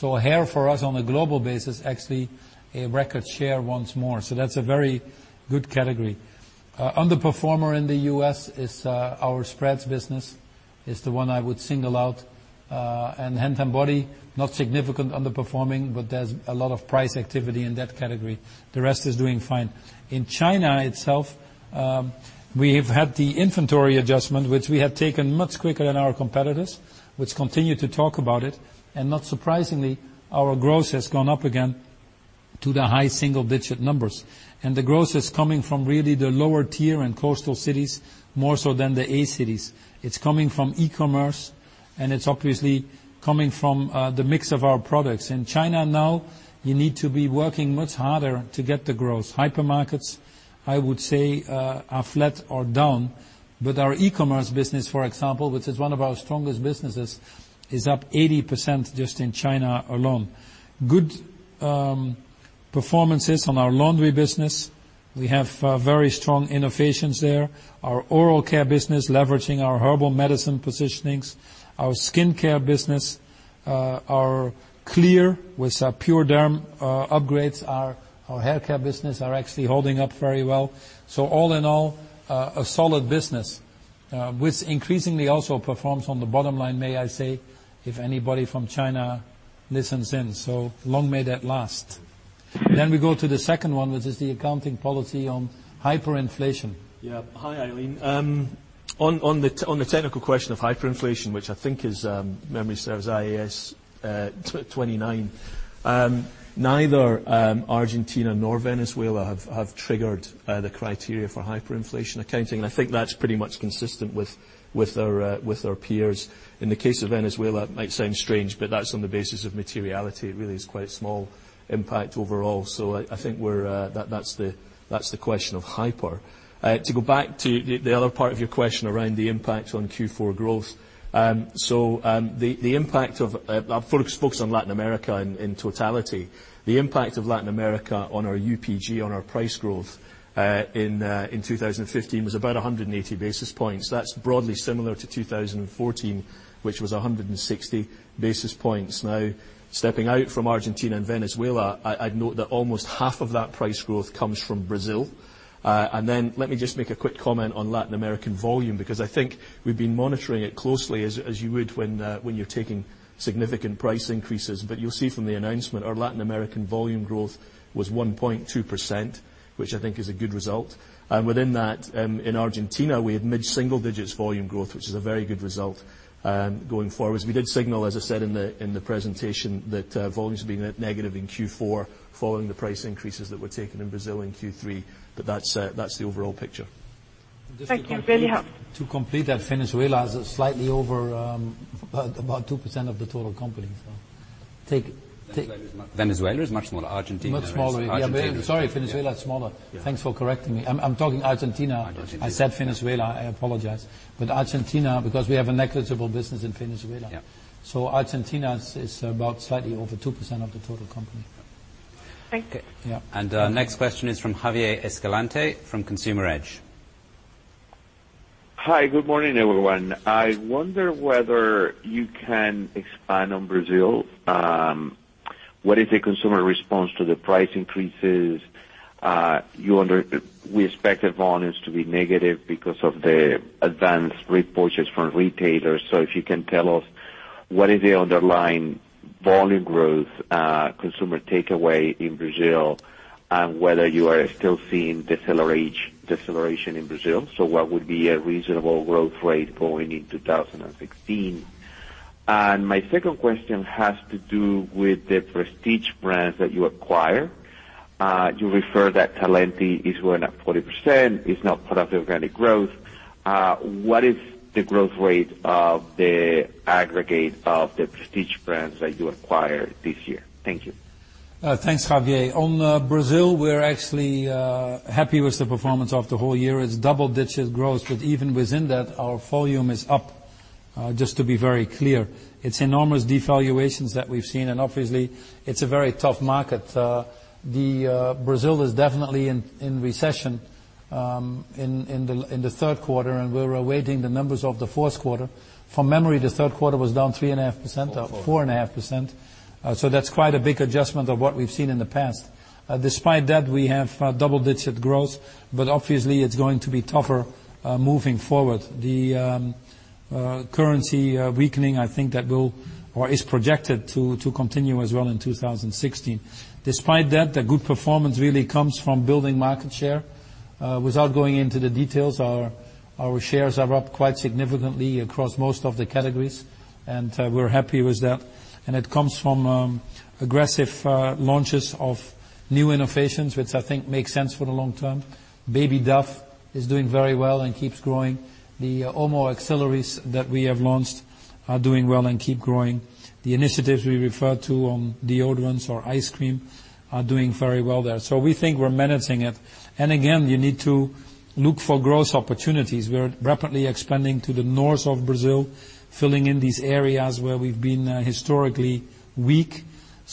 Hair for us on a global basis, actually a record share once more. That's a very good category. Underperformer in the U.S. is our spreads business, is the one I would single out, and hand and body, not significant underperforming, but there's a lot of price activity in that category. The rest is doing fine. In China itself, we have had the inventory adjustment, which we have taken much quicker than our competitors, which continue to talk about it. Not surprisingly, our growth has gone up again to the high single-digit numbers. The growth is coming from really the lower tier and coastal cities, more so than the A cities. It's coming from e-commerce and it's obviously coming from the mix of our products. In China now, you need to be working much harder to get the growth. Hypermarkets, I would say, are flat or down. Our e-commerce business, for example, which is one of our strongest businesses, is up 80% just in China alone. Good performances on our laundry business. We have very strong innovations there. Our oral care business, leveraging our herbal medicine positionings, our skincare business, our Clear with Pure Derm upgrades, our hair care business are actually holding up very well. All in all, a solid business, which increasingly also performs on the bottom line, may I say, if anybody from China listens in, so long may that last. We go to the second one, which is the accounting policy on hyperinflation. Hi, Eileen. On the technical question of hyperinflation, which I think is, memory serves, IAS 29. Neither Argentina nor Venezuela have triggered the criteria for hyperinflation accounting. I think that's pretty much consistent with our peers. In the case of Venezuela, it might sound strange, but that's on the basis of materiality. It really is quite small impact overall. I think that's the question of hyper. To go back to the other part of your question around the impact on Q4 growth. The impact of, I'll focus on Latin America in totality. The impact of Latin America on our UPG, on our price growth, in 2015 was about 180 basis points. That's broadly similar to 2014, which was 160 basis points. Stepping out from Argentina and Venezuela, I'd note that almost half of that price growth comes from Brazil. Let me just make a quick comment on Latin American volume, because I think we've been monitoring it closely as you would when you're taking significant price increases. You'll see from the announcement, our Latin American volume growth was 1.2%, which I think is a good result. Within that, in Argentina, we had mid-single digits volume growth, which is a very good result, going forward. We did signal, as I said in the presentation, that volumes would be negative in Q4 following the price increases that were taken in Brazil in Q3, that's the overall picture. Thank you. To complete that, Venezuela is slightly over about 2% of the total company. Venezuela is much smaller. Argentina. Much smaller. Yeah. Sorry, Venezuela is smaller. Yeah. Thanks for correcting me. I'm talking Argentina. Argentina. I said Venezuela, I apologize. Argentina, because we have a negligible business in Venezuela. Yeah. Argentina is about slightly over 2% of the total company. Yeah. Thank you. Yeah. Our next question is from Javier Escalante from Consumer Edge. Hi, good morning, everyone. I wonder whether you can expand on Brazil. What is the consumer response to the price increases? We expect the volumes to be negative because of the advanced repurchase from retailers. If you can tell us what is the underlying volume growth, consumer takeaway in Brazil, and whether you are still seeing deceleration in Brazil. What would be a reasonable growth rate going into 2016? My second question has to do with the prestige brands that you acquired. You refer that Talenti is growing at 40%, it's now part of the organic growth. What is the growth rate of the aggregate of the prestige brands that you acquired this year? Thank you. Thanks, Javier. On Brazil, we're actually happy with the performance of the whole year. It's double-digit growth, but even within that, our volume is up, just to be very clear. It's enormous devaluations that we've seen and obviously, it's a very tough market. Brazil is definitely in recession in the third quarter, and we're awaiting the numbers of the fourth quarter. From memory, the third quarter was down 3.5%. Four. 4.5%. That's quite a big adjustment of what we've seen in the past. Despite that, we have double-digit growth, but obviously it's going to be tougher moving forward. The currency weakening, I think that will or is projected to continue as well in 2016. Despite that, the good performance really comes from building market share. Without going into the details, our shares are up quite significantly across most of the categories, and we're happy with that. It comes from aggressive launches of new innovations, which I think makes sense for the long term. Baby Dove is doing very well and keeps growing. The Omo auxiliaries that we have launched are doing well and keep growing. The initiatives we refer to on deodorants or ice cream are doing very well there. We think we're managing it. Again, you need to look for growth opportunities. We're rapidly expanding to the north of Brazil, filling in these areas where we've been historically weak.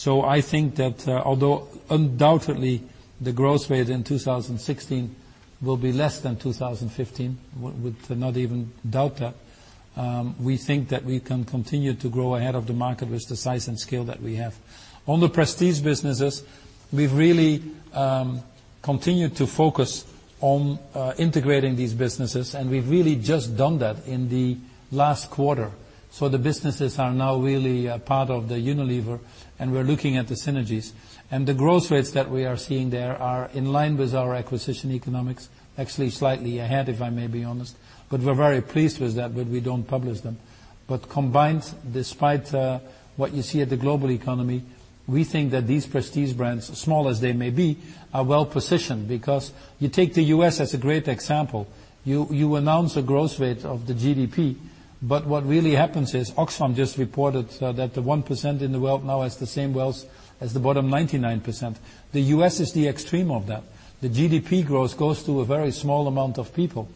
I think that although undoubtedly the growth rate in 2016 will be less than 2015, would not even doubt that, we think that we can continue to grow ahead of the market with the size and scale that we have. On the prestige businesses, we've really continued to focus on integrating these businesses, and we've really just done that in the last quarter. The businesses are now really a part of Unilever, and we're looking at the synergies. The growth rates that we are seeing there are in line with our acquisition economics, actually slightly ahead, if I may be honest. We're very pleased with that, but we don't publish them. Combined, despite what you see at the global economy, we think that these prestige brands, as small as they may be, are well-positioned because you take the U.S. as a great example. You announce a growth rate of the GDP, but what really happens is Oxfam just reported that the 1% in the world now has the same wealth as the bottom 99%. The U.S. is the extreme of that. The GDP growth goes to a very small amount of people,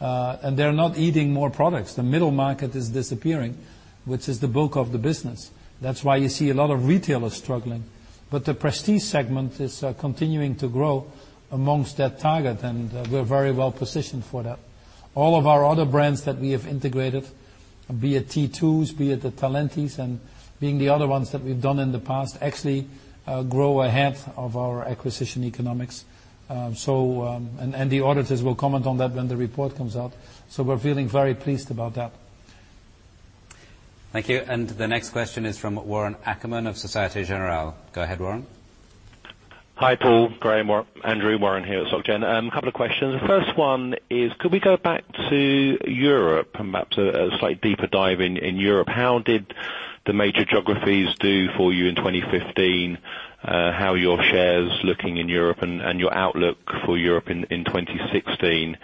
and they're not eating more products. The middle market is disappearing, which is the bulk of the business. That's why you see a lot of retailers struggling. The prestige segment is continuing to grow amongst that target, and we're very well positioned for that. All of our other brands that we have integrated, be it T2s, be it the Talenti's, and being the other ones that we've done in the past, actually grow ahead of our acquisition economics. The auditors will comment on that when the report comes out. We're feeling very pleased about that. Thank you. The next question is from Warren Ackerman of Société Générale. Go ahead, Warren. Hi, Paul, Graeme, Andrew. Warren here at Soc Gen. Couple of questions. Could we go back to Europe and perhaps a slight deeper dive in Europe? How did the major geographies do for you in 2015? How are your shares looking in Europe and your outlook for Europe in 2016?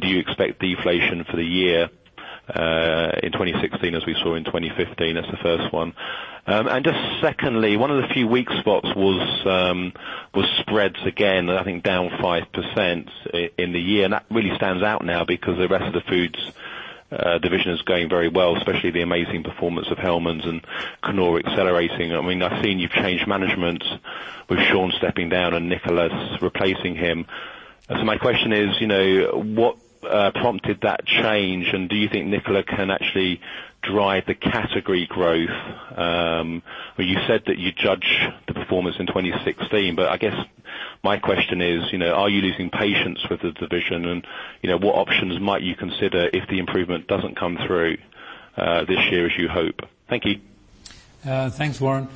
Do you expect deflation for the year, in 2016, as we saw in 2015? That's the first one. Just secondly, one of the few weak spots was spreads again, and I think down 5% in the year. That really stands out now because the rest of the foods division is going very well, especially the amazing performance of Hellmann's and Knorr accelerating. I've seen you've changed management with Sean stepping down and Nicolas replacing him. My question is, what prompted that change, and do you think Nicolas can actually drive the category growth? You said that you'd judge the performance in 2016, but I guess my question is, are you losing patience with the division? What options might you consider if the improvement doesn't come through this year as you hope? Thank you. Thanks, Warren.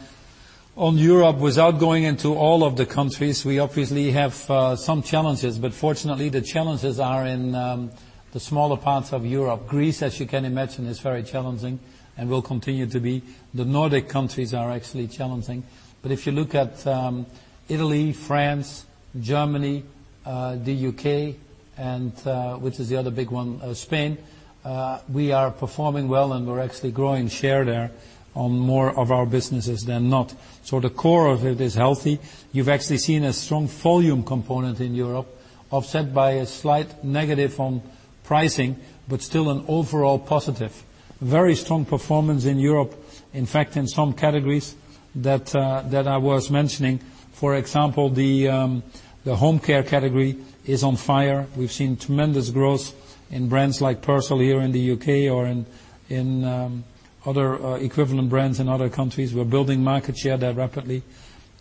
On Europe, without going into all of the countries, we obviously have some challenges, but fortunately, the challenges are in the smaller parts of Europe. Greece, as you can imagine, is very challenging and will continue to be. The Nordic countries are actually challenging. But if you look at Italy, France, Germany, the U.K., and which is the other big one, Spain, we are performing well, and we're actually growing share there on more of our businesses than not. The core of it is healthy. You've actually seen a strong volume component in Europe, offset by a slight negative on pricing, but still an overall positive. Very strong performance in Europe. In fact, in some categories that I was mentioning, for example, the Home Care category is on fire. We've seen tremendous growth in brands like Persil here in the U.K. or in other equivalent brands in other countries. We're building market share there rapidly.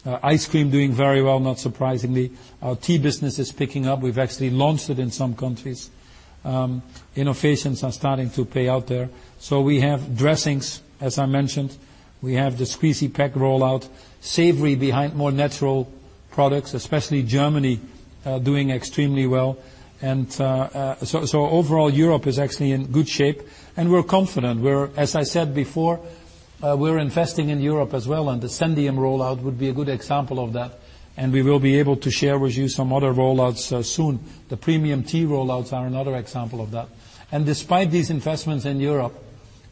Ice cream doing very well, not surprisingly. Our tea business is picking up. We've actually launched it in some countries. Innovations are starting to pay out there. We have dressings, as I mentioned. We have the squeezy pack rollout, savory behind more natural products, especially Germany, doing extremely well. Overall, Europe is actually in good shape, and we're confident. As I said before, we're investing in Europe as well, and the Zendium rollout would be a good example of that, and we will be able to share with you some other rollouts soon. The premium tea rollouts are another example of that. Despite these investments in Europe,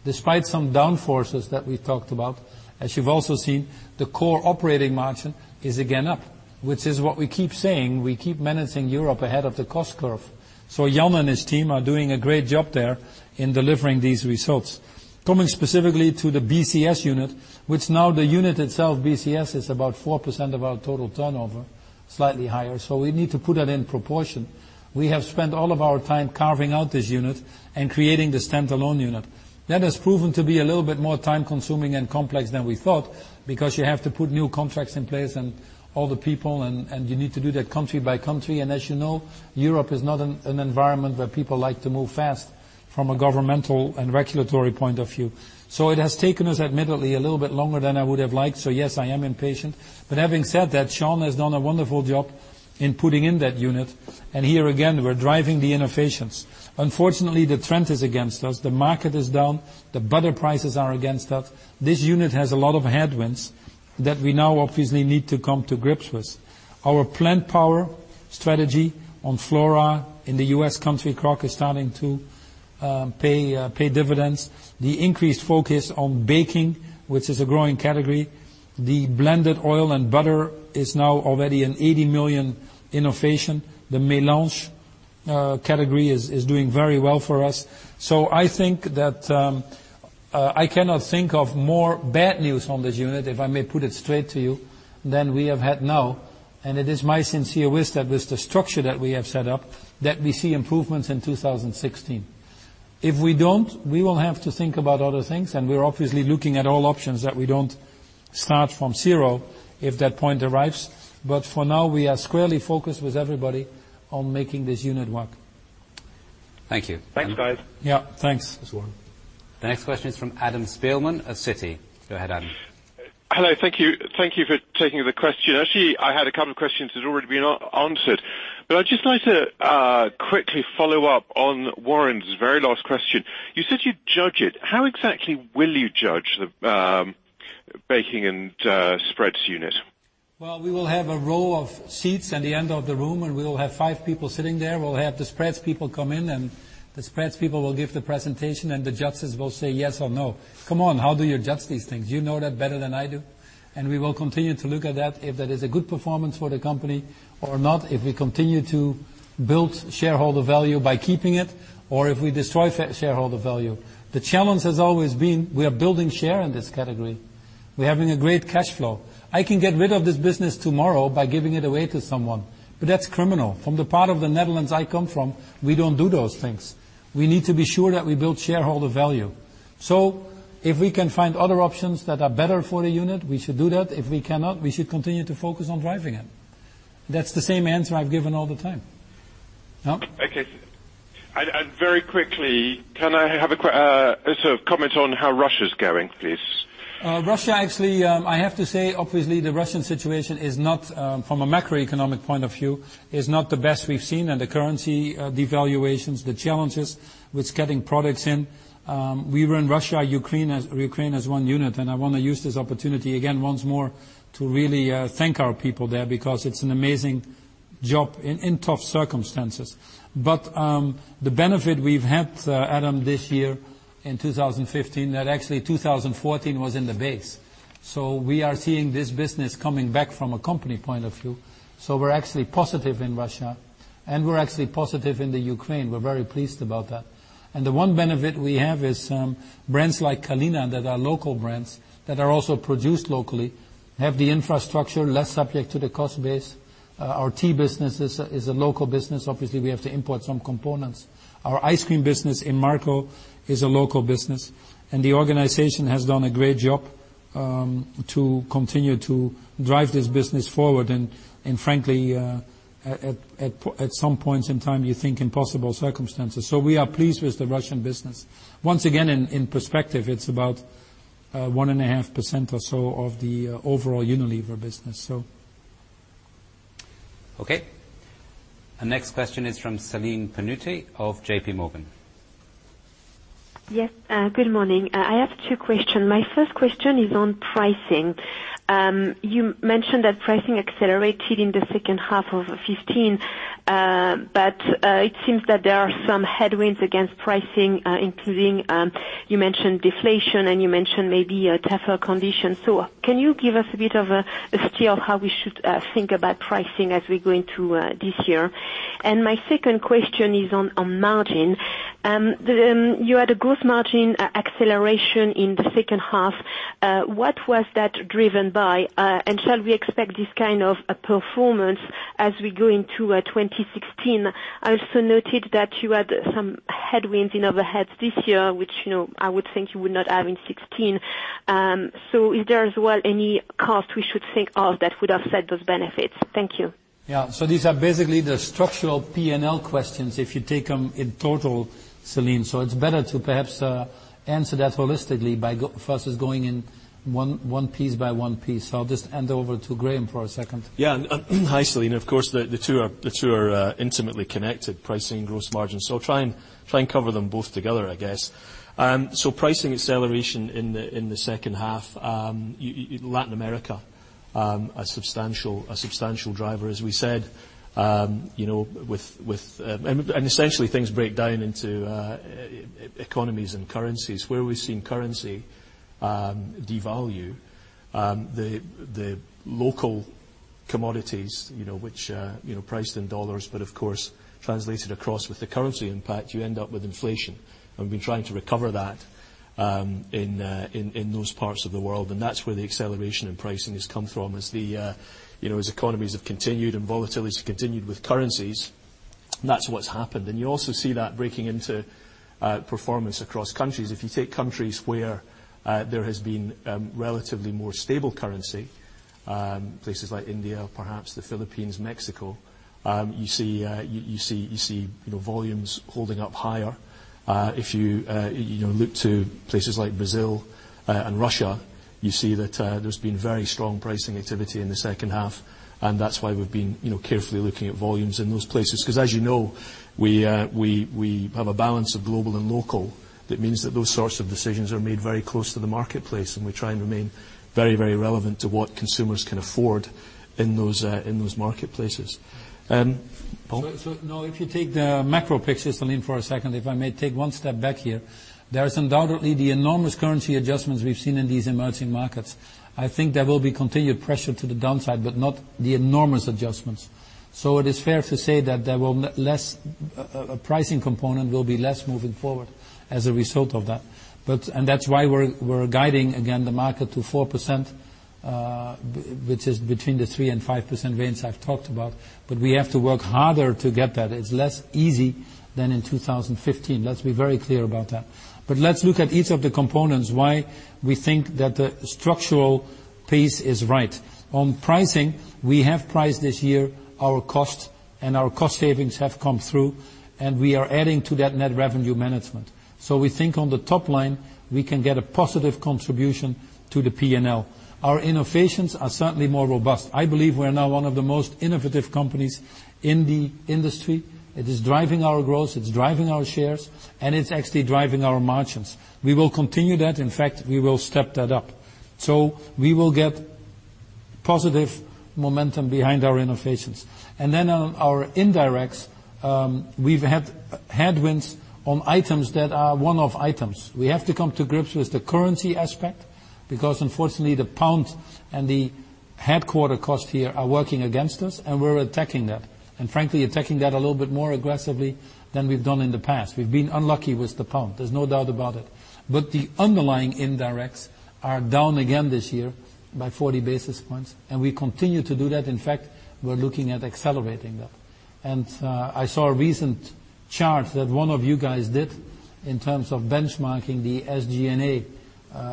despite some downforces that we talked about, as you've also seen, the core operating margin is again up, which is what we keep saying. We keep managing Europe ahead of the cost curve. Jan and his team are doing a great job there in delivering these results. Coming specifically to the BCS unit, which now the unit itself, BCS, is about 4% of our total turnover, slightly higher, so we need to put that in proportion. We have spent all of our time carving out this unit and creating the standalone unit. That has proven to be a little bit more time-consuming and complex than we thought, because you have to put new contracts in place and all the people, and you need to do that country by country. As you know, Europe is not an environment where people like to move fast from a governmental and regulatory point of view. It has taken us, admittedly, a little bit longer than I would have liked. Yes, I am impatient. Having said that, Sean has done a wonderful job in putting in that unit. Here again, we're driving the innovations. Unfortunately, the trend is against us. The market is down. The butter prices are against us. This unit has a lot of headwinds that we now obviously need to come to grips with. Our PlantPower strategy on Flora in the U.S., Country Crock, is starting to pay dividends. The increased focus on baking, which is a growing category, the blended oil and butter is now already an 80 million innovation. The mélange category is doing very well for us. I think that I cannot think of more bad news on this unit, if I may put it straight to you, than we have had now. It is my sincere wish that with the structure that we have set up, that we see improvements in 2016. If we don't, we will have to think about other things, and we're obviously looking at all options that we don't start from zero if that point arrives. For now, we are squarely focused with everybody on making this unit work. Thank you. Thanks, guys. Yeah, thanks. The next question is from Adam Spielman of Citi. Go ahead, Adam. Hello, thank you. Thank you for taking the question. I'd just like to quickly follow up on Warren's very last question. You said you'd judge it. How exactly will you judge the baking and spreads unit? Well, we will have a row of seats at the end of the room. We will have five people sitting there. We'll have the spreads people come in. The spreads people will give the presentation. The judges will say yes or no. Come on, how do you judge these things? You know that better than I do. We will continue to look at that if that is a good performance for the company or not, if we continue to build shareholder value by keeping it, or if we destroy shareholder value. The challenge has always been we are building share in this category. We're having a great cash flow. I can get rid of this business tomorrow by giving it away to someone, but that's criminal. From the part of the Netherlands I come from, we don't do those things. We need to be sure that we build shareholder value. If we can find other options that are better for the unit, we should do that. If we cannot, we should continue to focus on driving it. That's the same answer I've given all the time. No? Okay. Very quickly, can I have a comment on how Russia's going, please? Russia, actually, I have to say, obviously, the Russian situation, from a macroeconomic point of view, is not the best we've seen, and the currency devaluations, the challenges with getting products in. We run Russia, Ukraine as one unit, and I want to use this opportunity again once more to really thank our people there because it's an amazing job in tough circumstances. The benefit we've had, Adam, this year in 2015, that actually 2014 was in the base. We are seeing this business coming back from a company point of view. We're actually positive in Russia, and we're actually positive in the Ukraine. We're very pleased about that. The one benefit we have is brands like Kalina that are local brands that are also produced locally, have the infrastructure, less subject to the cost base. Our tea business is a local business. Obviously, we have to import some components. Our ice cream business in Inmarko is a local business, and the organization has done a great job to continue to drive this business forward. Frankly, at some points in time, you think impossible circumstances. We are pleased with the Russian business. Once again, in perspective, it's about 1.5% or so of the overall Unilever business. Okay. Our next question is from Celine Pannuti of JPMorgan. Yes, good morning. I have two questions. My first question is on pricing. You mentioned that pricing accelerated in the second half of 2015, it seems that there are some headwinds against pricing, including you mentioned deflation and you mentioned maybe tougher conditions. Can you give us a bit of a steer of how we should think about pricing as we go into this year? My second question is on margin. You had a gross margin acceleration in the second half. What was that driven by? Shall we expect this kind of performance as we go into 2016? I also noted that you had some headwinds in overheads this year, which I would think you would not have in 2016. Is there as well any cost we should think of that would offset those benefits? Thank you. Yeah. These are basically the structural P&L questions if you take them in total, Celine. It's better to perhaps answer that holistically versus going in one piece by one piece. I'll just hand over to Graeme for a second. Yeah. Hi, Celine. Of course, the two are intimately connected, pricing, gross margin. I'll try and cover them both together, I guess. Pricing acceleration in the second half, Latin America, a substantial driver, as we said. Essentially things break down into economies and currencies. Where we've seen currency devalue, the local Commodities, which priced in dollars, but of course translated across with the currency impact, you end up with inflation. We've been trying to recover that in those parts of the world, and that's where the acceleration in pricing has come from. As economies have continued and volatility's continued with currencies, that's what's happened. You also see that breaking into performance across countries. If you take countries where there has been relatively more stable currency, places like India, perhaps the Philippines, Mexico, you see volumes holding up higher. If you look to places like Brazil and Russia, you see that there's been very strong pricing activity in the second half, and that's why we've been carefully looking at volumes in those places. Because as you know, we have a balance of global and local. That means that those sorts of decisions are made very close to the marketplace, and we try and remain very relevant to what consumers can afford in those marketplaces. Paul? Now if you take the macro picture, Celine, for a second, if I may take one step back here. There is undoubtedly the enormous currency adjustments we've seen in these emerging markets. I think there will be continued pressure to the downside, but not the enormous adjustments. It is fair to say that a pricing component will be less moving forward as a result of that. That's why we're guiding, again, the market to 4%, which is between the 3% and 5% range I've talked about, but we have to work harder to get that. It's less easy than in 2015. Let's be very clear about that. Let's look at each of the components, why we think that the structural piece is right. On pricing, we have priced this year our cost, and our cost savings have come through, and we are adding to that net revenue management. We think on the top line, we can get a positive contribution to the P&L. Our innovations are certainly more robust. I believe we're now one of the most innovative companies in the industry. It is driving our growth, it's driving our shares, and it's actually driving our margins. We will continue that. In fact, we will step that up. We will get positive momentum behind our innovations. Then on our indirects, we've had headwinds on items that are one-off items. We have to come to grips with the currency aspect, because unfortunately, the pound and the headquarter costs here are working against us, and we're attacking that. Frankly, attacking that a little bit more aggressively than we've done in the past. We've been unlucky with the pound. There's no doubt about it. The underlying indirects are down again this year by 40 basis points, and we continue to do that. In fact, we're looking at accelerating that. I saw a recent chart that one of you guys did in terms of benchmarking the SG&A,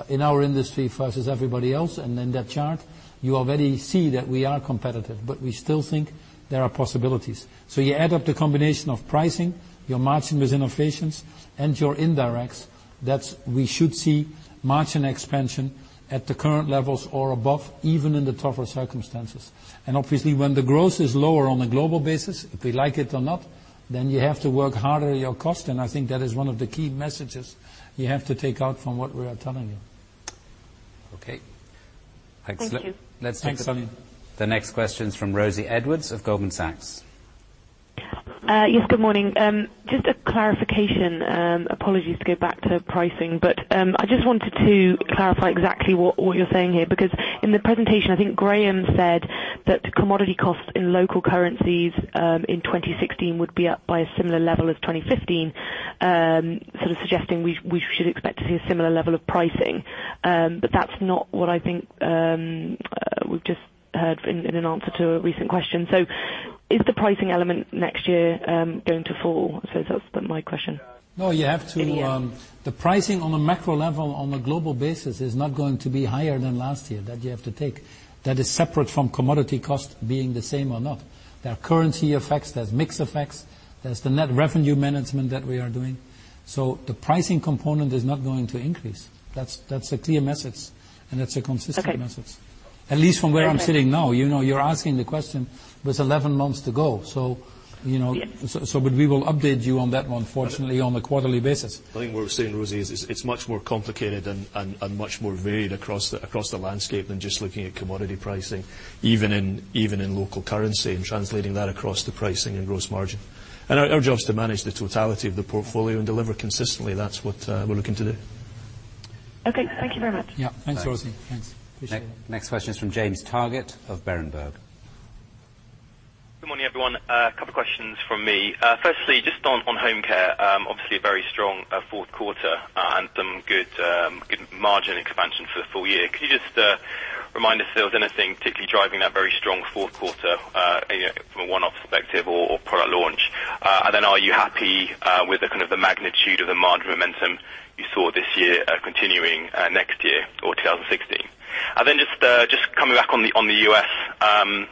in our industry versus everybody else. In that chart, you already see that we are competitive, but we still think there are possibilities. You add up the combination of pricing, your margin with innovations, and your indirects. That we should see margin expansion at the current levels or above, even in the tougher circumstances. Obviously, when the growth is lower on a global basis, if we like it or not, then you have to work harder your cost, and I think that is one of the key messages you have to take out from what we are telling you. Okay. Thank you. Let's take the next question from Rosie Edwards of Goldman Sachs. Yes, good morning. Just a clarification. Apologies to go back to pricing, but I just wanted to clarify exactly what you're saying here, because in the presentation, I think Graeme said that commodity costs in local currencies in 2016 would be up by a similar level as 2015, sort of suggesting we should expect to see a similar level of pricing. That's not what I think we've just heard in an answer to a recent question. Is the pricing element next year going to fall? I suppose that's my question. No, you have to- Maybe, yeah. The pricing on a macro level, on a global basis is not going to be higher than last year. That you have to take. That is separate from commodity cost being the same or not. There are currency effects, there's mix effects, there's the net revenue management that we are doing. The pricing component is not going to increase. That's a clear message, and that's a consistent message. Okay. At least from where I'm sitting now. You're asking the question with 11 months to go. Yeah. We will update you on that one, fortunately, on a quarterly basis. I think what we're saying, Rosie, is it's much more complicated and much more varied across the landscape than just looking at commodity pricing, even in local currency and translating that across to pricing and gross margin. Our job is to manage the totality of the portfolio and deliver consistently. That's what we're looking to do. Okay, thank you very much. Yeah. Thanks, Rosie. Thanks. Thanks. Appreciate it. Next question is from James Targett of Berenberg. Good morning, everyone. A couple questions from me. Firstly, just on Home Care, obviously a very strong fourth quarter, and some good margin expansion for the full year. Could you just remind us if there was anything particularly driving that very strong fourth quarter, from a one-off perspective or product launch? Are you happy with the kind of the magnitude of the margin momentum you saw this year continuing next year or 2016? Just coming back on the U.S.,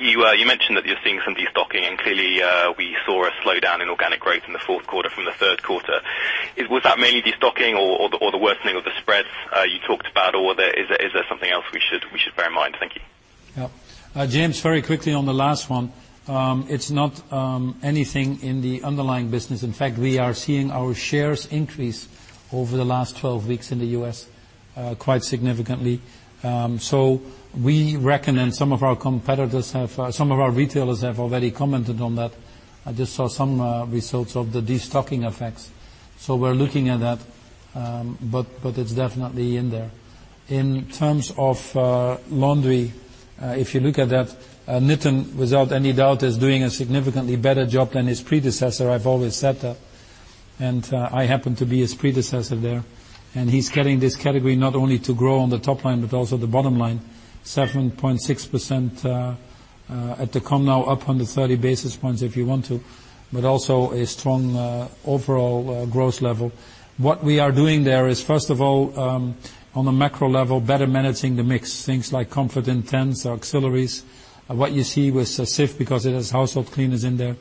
you mentioned that you're seeing some destocking, and clearly, we saw a slowdown in organic growth in the fourth quarter from the third quarter. Was that mainly destocking or the worsening of the spreads you talked about, or is there something else we should bear in mind? Thank you. James, very quickly on the last one. It's not anything in the underlying business. In fact, we are seeing our shares increase over the last 12 weeks in the U.S. quite significantly. We reckon, and some of our retailers have already commented on that. I just saw some results of the destocking effects. We're looking at that. It's definitely in there. In terms of laundry, if you look at that, Nitin, without any doubt, is doing a significantly better job than his predecessor. I've always said that. I happen to be his predecessor there. He's getting this category not only to grow on the top line, but also the bottom line, 7.6% at the COM now up 130 basis points if you want to, but also a strong overall growth level. What we are doing there is, first of all, on a macro level, better managing the mix, things like Comfort Intense, auxiliaries, what you see with Cif because it has household cleaners in there.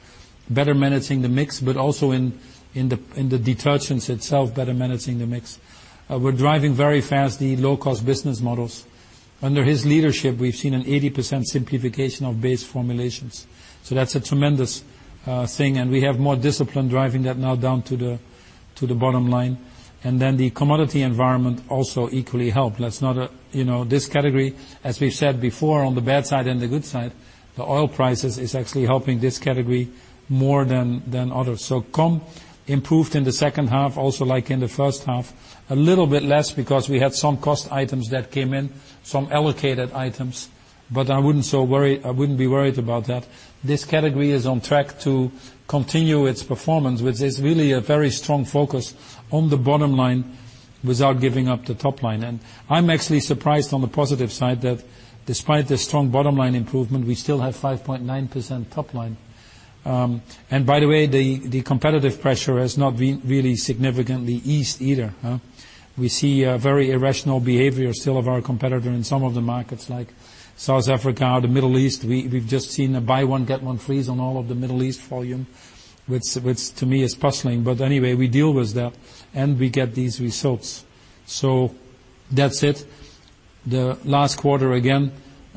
Better managing the mix, but also in the detergents itself, better managing the mix. We're driving very fast the low-cost business models. Under his leadership, we've seen an 80% simplification of base formulations. That's a tremendous thing, and we have more discipline driving that now down to the bottom line. The commodity environment also equally helped. This category, as we said before, on the bad side and the good side, the oil prices is actually helping this category more than others. COM improved in the second half also like in the first half. A little bit less because we had some cost items that came in, some allocated items, but I wouldn't be worried about that. This category is on track to continue its performance, which is really a very strong focus on the bottom line without giving up the top line. I'm actually surprised on the positive side that despite the strong bottom-line improvement, we still have 5.9% top line. By the way, the competitive pressure has not really significantly eased either. We see a very irrational behavior still of our competitor in some of the markets like South Africa, the Middle East. We've just seen a buy one, get one free on all of the Middle East volume, which to me is puzzling. Anyway, we deal with that and we get these results. That's it. The last quarter, again,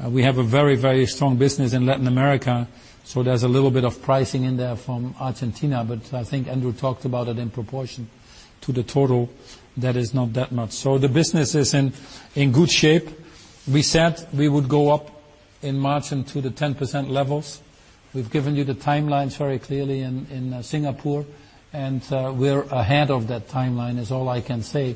we have a very strong business in Latin America, so there's a little bit of pricing in there from Argentina, but I think Andrew talked about it in proportion to the total that is not that much. The business is in good shape. We said we would go up in margin to the 10% levels. We've given you the timelines very clearly in Singapore, we're ahead of that timeline is all I can say.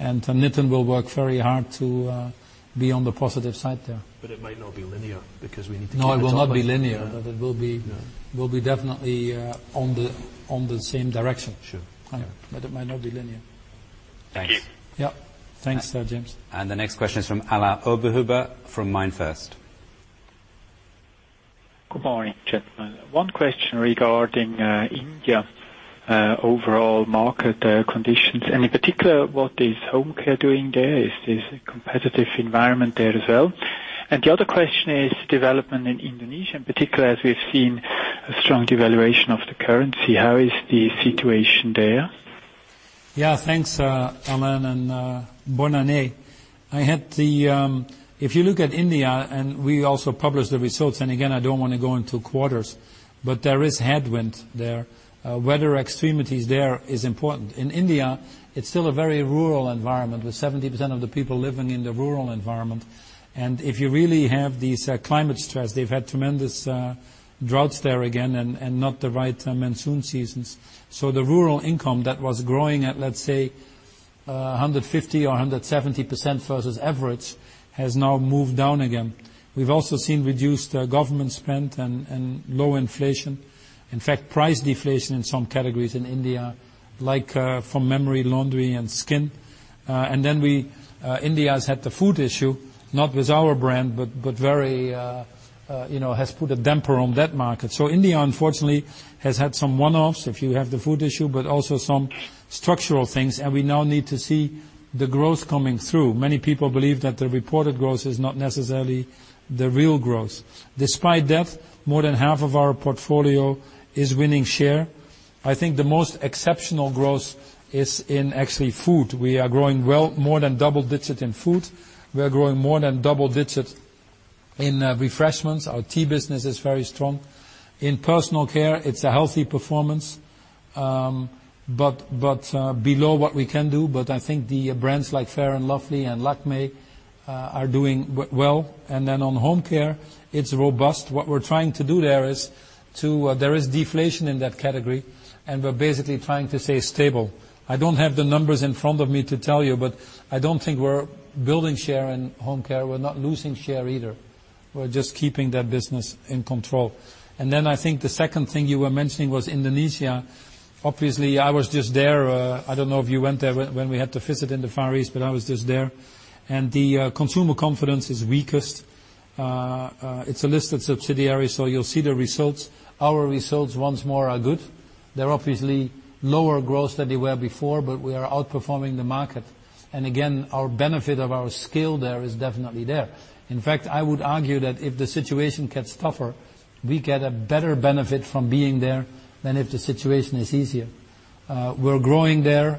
Nitin will work very hard to be on the positive side there. It might not be linear because No, it will not be linear. Yeah. It will be definitely on the same direction. Sure. Yeah. It might not be linear. Thanks. Yeah. Thanks, James. The next question is from Alain-Sebastian Oberhuber from MainFirst. Good morning, gentlemen. One question regarding India, overall market conditions, and in particular, what is home care doing there? Is there a competitive environment there as well? The other question is development in Indonesia, in particular, as we've seen a strong devaluation of the currency. How is the situation there? Thanks, Alain, and bonne année. If you look at India and we also publish the results, again, I don't want to go into quarters, but there is headwind there. Weather extremities there is important. In India, it's still a very rural environment, with 70% of the people living in the rural environment. If you really have these climate stress, they've had tremendous droughts there again and not the right monsoon seasons. The rural income that was growing at, let's say, 150% or 170% versus average has now moved down again. We've also seen reduced government spend and low inflation. In fact, price deflation in some categories in India, like from memory, laundry and skin. India has had the food issue, not with our brand, but has put a damper on that market. India, unfortunately, has had some one-offs if you have the food issue, but also some structural things, and we now need to see the growth coming through. Many people believe that the reported growth is not necessarily the real growth. Despite that, more than half of our portfolio is winning share. I think the most exceptional growth is in actually food. We are growing well more than double digits in food. We are growing more than double digits in refreshments. Our tea business is very strong. In personal care, it's a healthy performance, but below what we can do. I think the brands like Fair & Lovely and Lakmé are doing well. On home care, it's robust. What we're trying to do there is deflation in that category, and we're basically trying to stay stable. I don't have the numbers in front of me to tell you, but I don't think we're building share in home care. We're not losing share either. We're just keeping that business in control. I think the second thing you were mentioning was Indonesia. Obviously, I was just there. I don't know if you went there when we had to visit in the Far East, but I was just there. The consumer confidence is weakest. It's a listed subsidiary, so you'll see the results. Our results once more are good. They're obviously lower growth than they were before, but we are outperforming the market. Again, our benefit of our scale there is definitely there. In fact, I would argue that if the situation gets tougher, we get a better benefit from being there than if the situation is easier. We're growing there.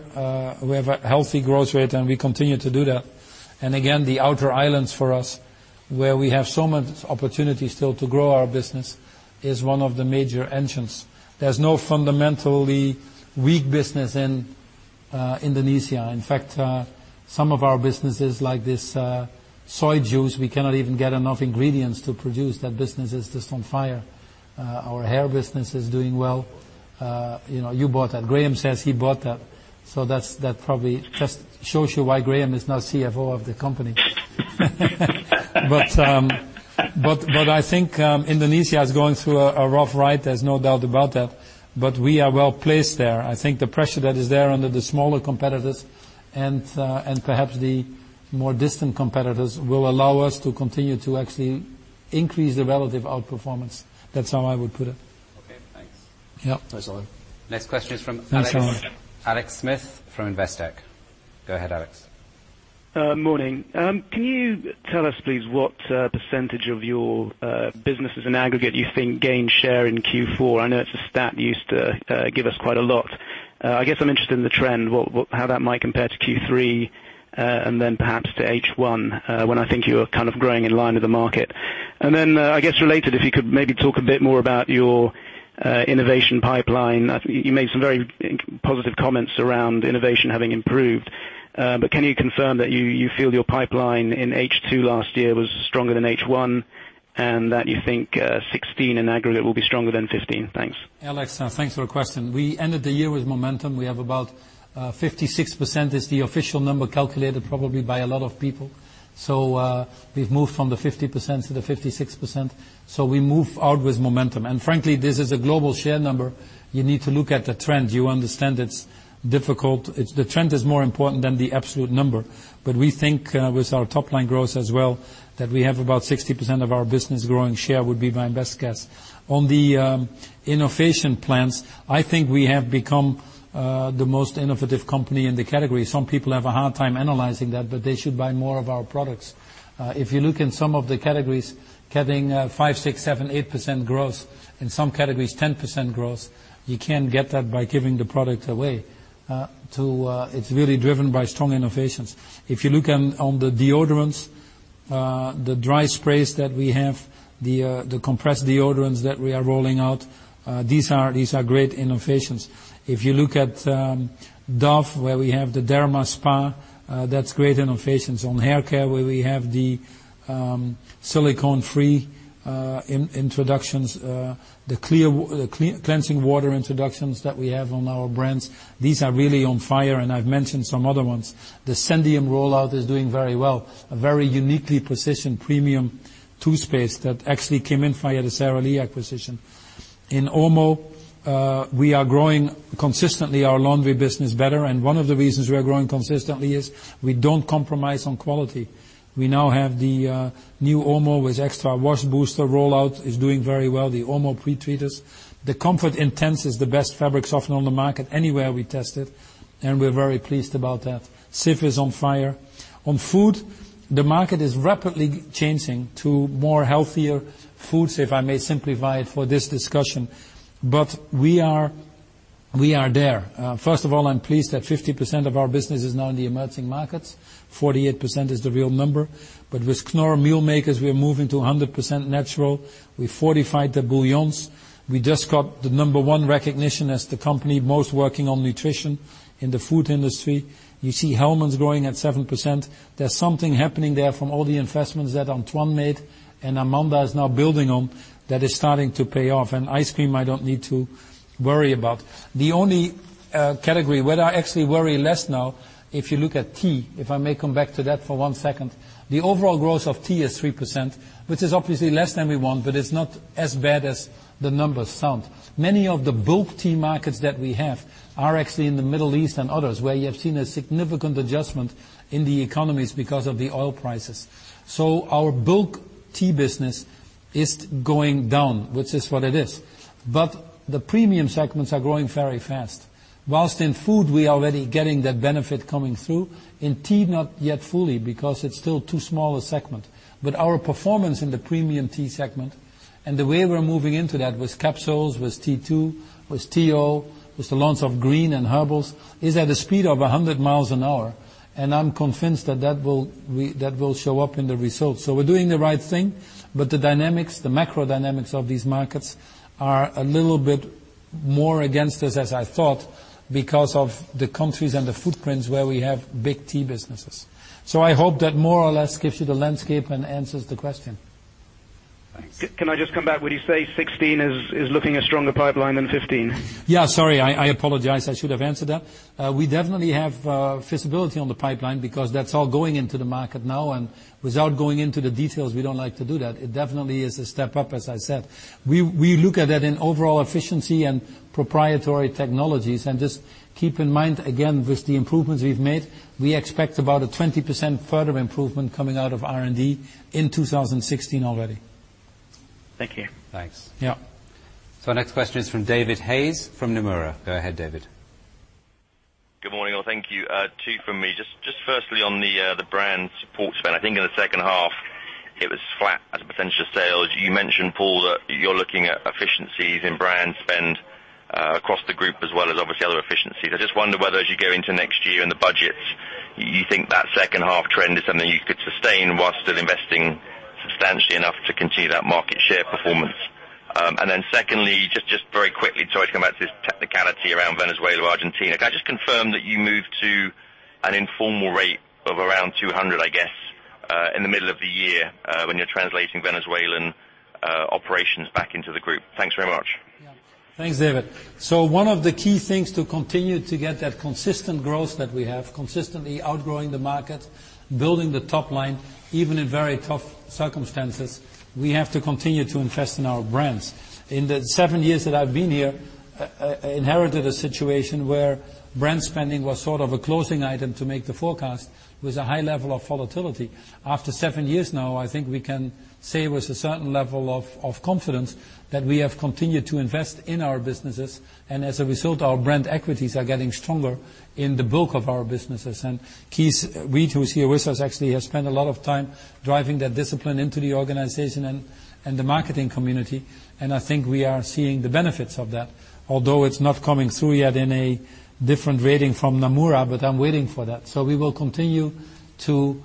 We have a healthy growth rate, and we continue to do that. Again, the outer islands for us, where we have so much opportunity still to grow our business, is one of the major engines. There's no fundamentally weak business in Indonesia. In fact, some of our businesses, like this soy juice, we cannot even get enough ingredients to produce. That business is just on fire. Our hair business is doing well. You bought that. Graeme says he bought that. That probably just shows you why Graeme is now CFO of the company. I think Indonesia is going through a rough ride, there's no doubt about that, but we are well-placed there. I think the pressure that is there under the smaller competitors, and perhaps the more distant competitors, will allow us to continue to actually increase the relative outperformance. That's how I would put it. Okay, thanks. Yep. Thanks, Alain. Next question is Thanks, Alain. Alex Smith from Investec. Go ahead, Alex. Morning. Can you tell us, please, what % of your business as an aggregate you think gained share in Q4? I know it's a stat you used to give us quite a lot. I guess I'm interested in the trend, how that might compare to Q3, and then perhaps to H1, when I think you were kind of growing in line with the market. I guess related, if you could maybe talk a bit more about your innovation pipeline. You made some very positive comments around innovation having improved. Can you confirm that you feel your pipeline in H2 last year was stronger than H1, and that you think 2016 in aggregate will be stronger than 2015? Thanks. Alex, thanks for the question. We ended the year with momentum. We have about 56% is the official number calculated probably by a lot of people. We've moved from the 50% to the 56%, so we move out with momentum. Frankly, this is a global share number. You need to look at the trend. You understand it's difficult. The trend is more important than the absolute number. We think with our top-line growth as well, that we have about 60% of our business growing share would be my best guess. On the innovation plans, I think we have become the most innovative company in the category. Some people have a hard time analyzing that, but they should buy more of our products. If you look in some of the categories, getting 5%, 6%, 7%, 8% growth, in some categories 10% growth, you can't get that by giving the product away. It's really driven by strong innovations. If you look on the deodorants, the dry sprays that we have, the compressed deodorants that we are rolling out, these are great innovations. If you look at Dove, where we have the Dove DermaSpa, that's great innovations. On hair care, where we have the silicone-free introductions, the cleansing water introductions that we have on our brands, these are really on fire, and I've mentioned some other ones. The Zendium rollout is doing very well. A very uniquely positioned premium toothpaste that actually came in via the Sara Lee acquisition. In Omo, we are growing consistently our laundry business better, and one of the reasons we are growing consistently is we don't compromise on quality. We now have the new Omo with extra wash booster rollout, is doing very well, the Omo pre-treaters. The Comfort Intense is the best fabric softener on the market anywhere we test it, and we're very pleased about that. Cif is on fire. On food, the market is rapidly changing to more healthier foods, if I may simplify it for this discussion. We are there. First of all, I'm pleased that 50% of our business is now in the emerging markets. 48% is the real number. With Knorr Meal Makers, we're moving to 100% natural. We fortified the bouillons. We just got the number one recognition as the company most working on nutrition in the food industry. You see Hellmann's growing at 7%. There's something happening there from all the investments that Antoine made, and Amanda is now building on, that is starting to pay off. Ice cream, I don't need to worry about. The only category where I actually worry less now, if you look at tea, if I may come back to that for one second. The overall growth of tea is 3%, which is obviously less than we want, but it's not as bad as the numbers sound. Many of the bulk tea markets that we have are actually in the Middle East and others, where you have seen a significant adjustment in the economies because of the oil prices. Our bulk tea business is going down, which is what it is. The premium segments are growing very fast. In food we are already getting that benefit coming through, in tea not yet fully because it's still too small a segment. Our performance in the premium tea segment, and the way we're moving into that with capsules, with T2, with TO, with the launch of green and herbals, is at a speed of 100 miles an hour, and I'm convinced that that will show up in the results. We're doing the right thing, but the dynamics, the macro dynamics of these markets are a little bit more against us as I thought because of the countries and the footprints where we have big tea businesses. I hope that more or less gives you the landscape and answers the question. Thanks. Can I just come back? Would you say 2016 is looking a stronger pipeline than 2015? Sorry. I apologize. I should have answered that. We definitely have visibility on the pipeline because that's all going into the market now, and without going into the details, we don't like to do that, it definitely is a step up, as I said. We look at that in overall efficiency and proprietary technologies, and just keep in mind, again, with the improvements we've made, we expect about a 20% further improvement coming out of R&D in 2016 already. Thank you. Thanks. Yeah. Next question is from David Hayes from Nomura. Go ahead, David. Good morning, all. Thank you. Two from me. Just firstly on the brand support spend. I think in the second half it was flat as a percentage of sales. You mentioned, Paul, that you're looking at efficiencies in brand spend across the group as well as obviously other efficiencies. I just wonder whether as you go into next year and the budgets, you think that second half trend is something you could sustain while still investing substantially enough to continue that market share performance? Secondly, just very quickly, sorry to come back to this technicality around Venezuela, Argentina. Can I just confirm that you moved to an informal rate of around 200, I guess in the middle of the year when you're translating Venezuelan operations back into the group. Thanks very much. Yeah. Thanks, David. One of the key things to continue to get that consistent growth that we have, consistently outgrowing the market, building the top line, even in very tough circumstances, we have to continue to invest in our brands. In the seven years that I've been here, I inherited a situation where brand spending was sort of a closing item to make the forecast with a high level of volatility. After seven years now, I think we can say with a certain level of confidence that we have continued to invest in our businesses, and as a result, our brand equities are getting stronger in the bulk of our businesses. Keith Weed, who's here with us, actually has spent a lot of time driving that discipline into the organization and the marketing community, and I think we are seeing the benefits of that, although it's not coming through yet in a different rating from Nomura, but I'm waiting for that. We will continue to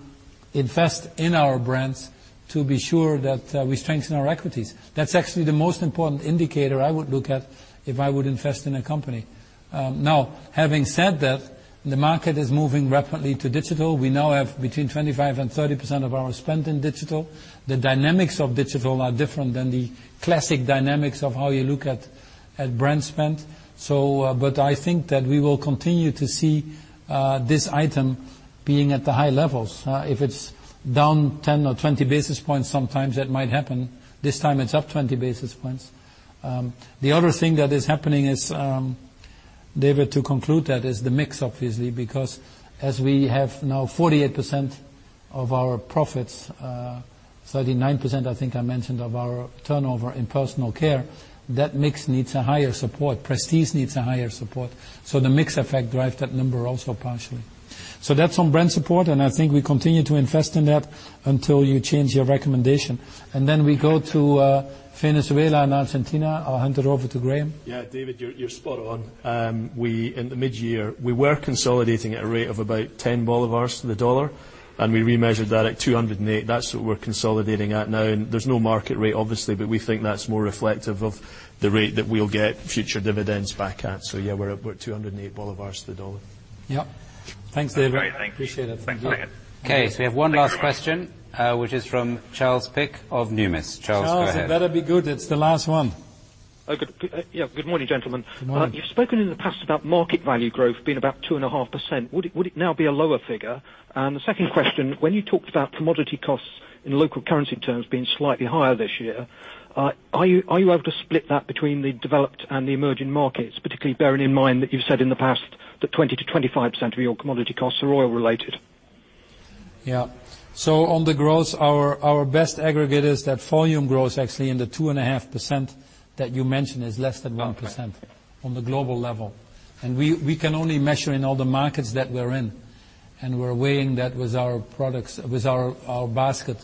invest in our brands to be sure that we strengthen our equities. That's actually the most important indicator I would look at if I would invest in a company. Having said that, the market is moving rapidly to digital. We now have between 25% and 30% of our spend in digital. The dynamics of digital are different than the classic dynamics of how you look at brand spend. I think that we will continue to see this item being at the high levels. If it's down 10 or 20 basis points, sometimes that might happen. This time it's up 20 basis points. The other thing that is happening is, David, to conclude that, is the mix, obviously, because as we have now 48% of our profits, 39% I think I mentioned of our turnover in personal care, that mix needs a higher support. Prestige needs a higher support. The mix effect drive that number also partially. That's on brand support, and I think we continue to invest in that until you change your recommendation. We go to Venezuela and Argentina. I'll hand it over to Graeme. David, you're spot on. In the mid-year, we were consolidating at a rate of about 10 bolívars to the dollar, and we remeasured that at 208. That's what we're consolidating at now, and there's no market rate, obviously, but we think that's more reflective of the rate that we'll get future dividends back at. We're at 208 bolívars to the dollar. Thanks, David. Great. Thank you. Appreciate it. Thank you. Okay, we have one last question, which is from Charles Pick of Numis. Charles, go ahead. Charles, it better be good. It's the last one. Oh, good. Yeah, good morning, gentlemen. Morning. You've spoken in the past about market value growth being about 2.5%. Would it now be a lower figure? The second question, when you talked about commodity costs in local currency terms being slightly higher this year, are you able to split that between the developed and the emerging markets? Particularly bearing in mind that you've said in the past that 20%-25% of your commodity costs are oil related. Yeah. On the growth, our best aggregate is that volume growth actually in the 2.5% that you mentioned is less than 1%. Okay on the global level. We can only measure in all the markets that we're in, and we're weighing that with our products, with our basket.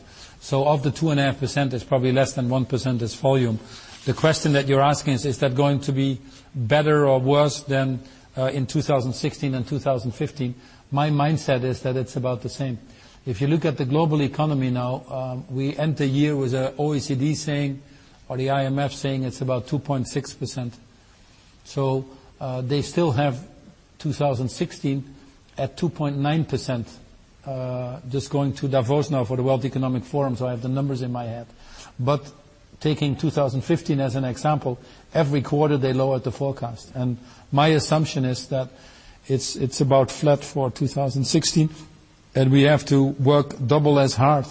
Of the 2.5%, it's probably less than 1% is volume. The question that you're asking is that going to be better or worse than in 2016 and 2015? My mindset is that it's about the same. If you look at the global economy now, we end the year with the Organisation for Economic Co-operation and Development saying or the International Monetary Fund saying it's about 2.6%. They still have 2016 at 2.9%, just going to Davos now for the World Economic Forum, I have the numbers in my head. Taking 2015 as an example, every quarter they lowered the forecast. My assumption is that it's about flat for 2016, and we have to work double as hard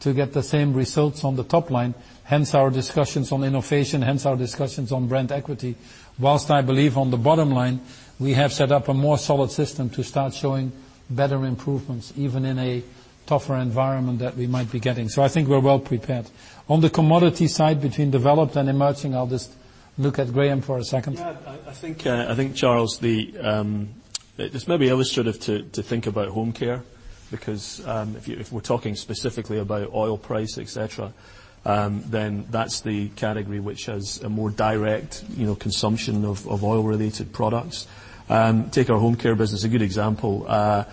to get the same results on the top line, hence our discussions on innovation, hence our discussions on brand equity. Whilst I believe on the bottom line, we have set up a more solid system to start showing better improvements, even in a tougher environment that we might be getting. I think we're well prepared. On the commodity side between developed and emerging, I'll just look at Graeme Pitkethly for a second. Yeah, I think, Charles Pick, this may be illustrative to think about home care, because if we're talking specifically about oil price, et cetera, then that's the category which has a more direct consumption of oil-related products. Take our home care business, a good example, about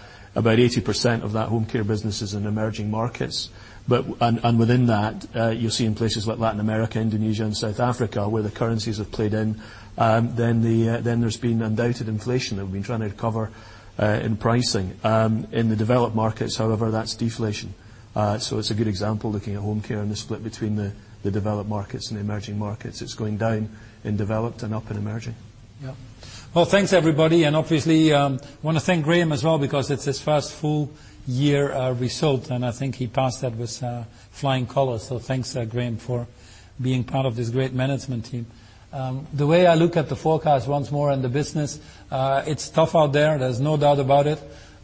80% of that home care business is in emerging markets. Within that, you'll see in places like Latin America, Indonesia, and South Africa, where the currencies have played in, then there's been undoubted inflation that we've been trying to recover in pricing. In the developed markets, however, that's deflation. It's a good example, looking at home care and the split between the developed markets and the emerging markets. It's going down in developed and up in emerging. Yep. Well, thanks, everybody, and obviously, want to thank Graeme Pitkethly as well because it's his first full year result, and I think he passed that with flying colors. Thanks, Graeme Pitkethly, for being part of this great management team. The way I look at the forecast once more and the business, it's tough out there. There's no doubt about it.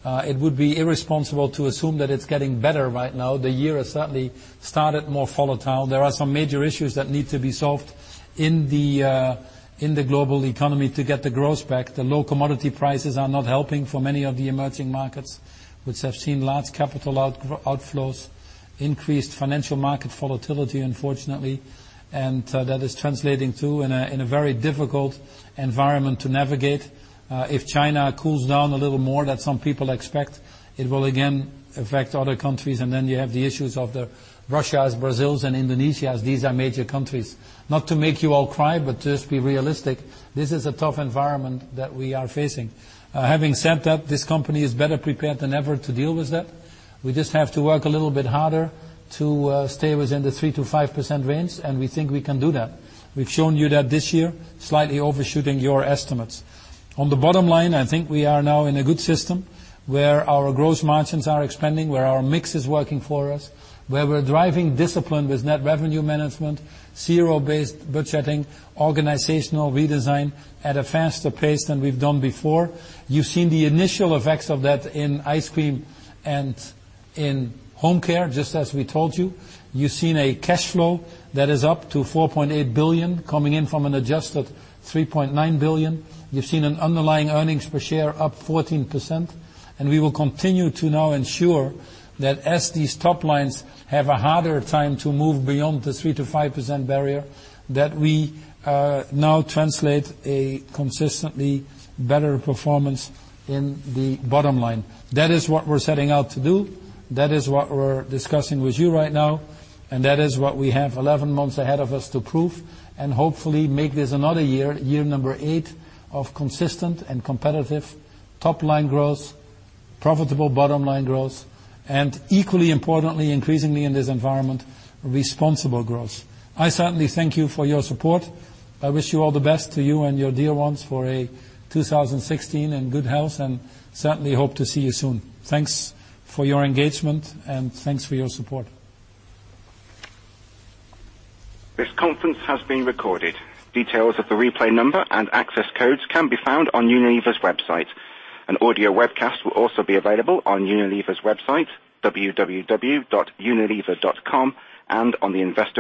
It would be irresponsible to assume that it's getting better right now. The year has certainly started more volatile. There are some major issues that need to be solved in the global economy to get the growth back. The low commodity prices are not helping for many of the emerging markets, which have seen large capital outflows, increased financial market volatility, unfortunately, and that is translating to in a very difficult environment to navigate. If China cools down a little more that some people expect, it will again affect other countries. You have the issues of Russia, Brazil, and Indonesia. These are major countries. Not to make you all cry, but just be realistic. This is a tough environment that we are facing. Having said that, this company is better prepared than ever to deal with that. We just have to work a little bit harder to stay within the 3%-5% range. We think we can do that. We've shown you that this year, slightly overshooting your estimates. On the bottom line, I think we are now in a good system where our gross margins are expanding, where our mix is working for us, where we're driving discipline with net revenue management, zero-based budgeting, organizational redesign at a faster pace than we've done before. You've seen the initial effects of that in ice cream and in home care, just as we told you. You've seen a cash flow that is up to $4.8 billion coming in from an adjusted $3.9 billion. You've seen an underlying earnings per share up 14%. We will continue to now ensure that as these top lines have a harder time to move beyond the 3%-5% barrier, that we now translate a consistently better performance in the bottom line. That is what we're setting out to do. That is what we're discussing with you right now. That is what we have 11 months ahead of us to prove and hopefully make this another year number 8 of consistent and competitive top-line growth, profitable bottom-line growth, and equally importantly, increasingly in this environment, responsible growth. I certainly thank you for your support. I wish you all the best to you and your dear ones for a 2016 in good health and certainly hope to see you soon. Thanks for your engagement and thanks for your support. This conference has been recorded. Details of the replay number and access codes can be found on Unilever's website. An audio webcast will also be available on Unilever's website, www.unilever.com, and on the investor relations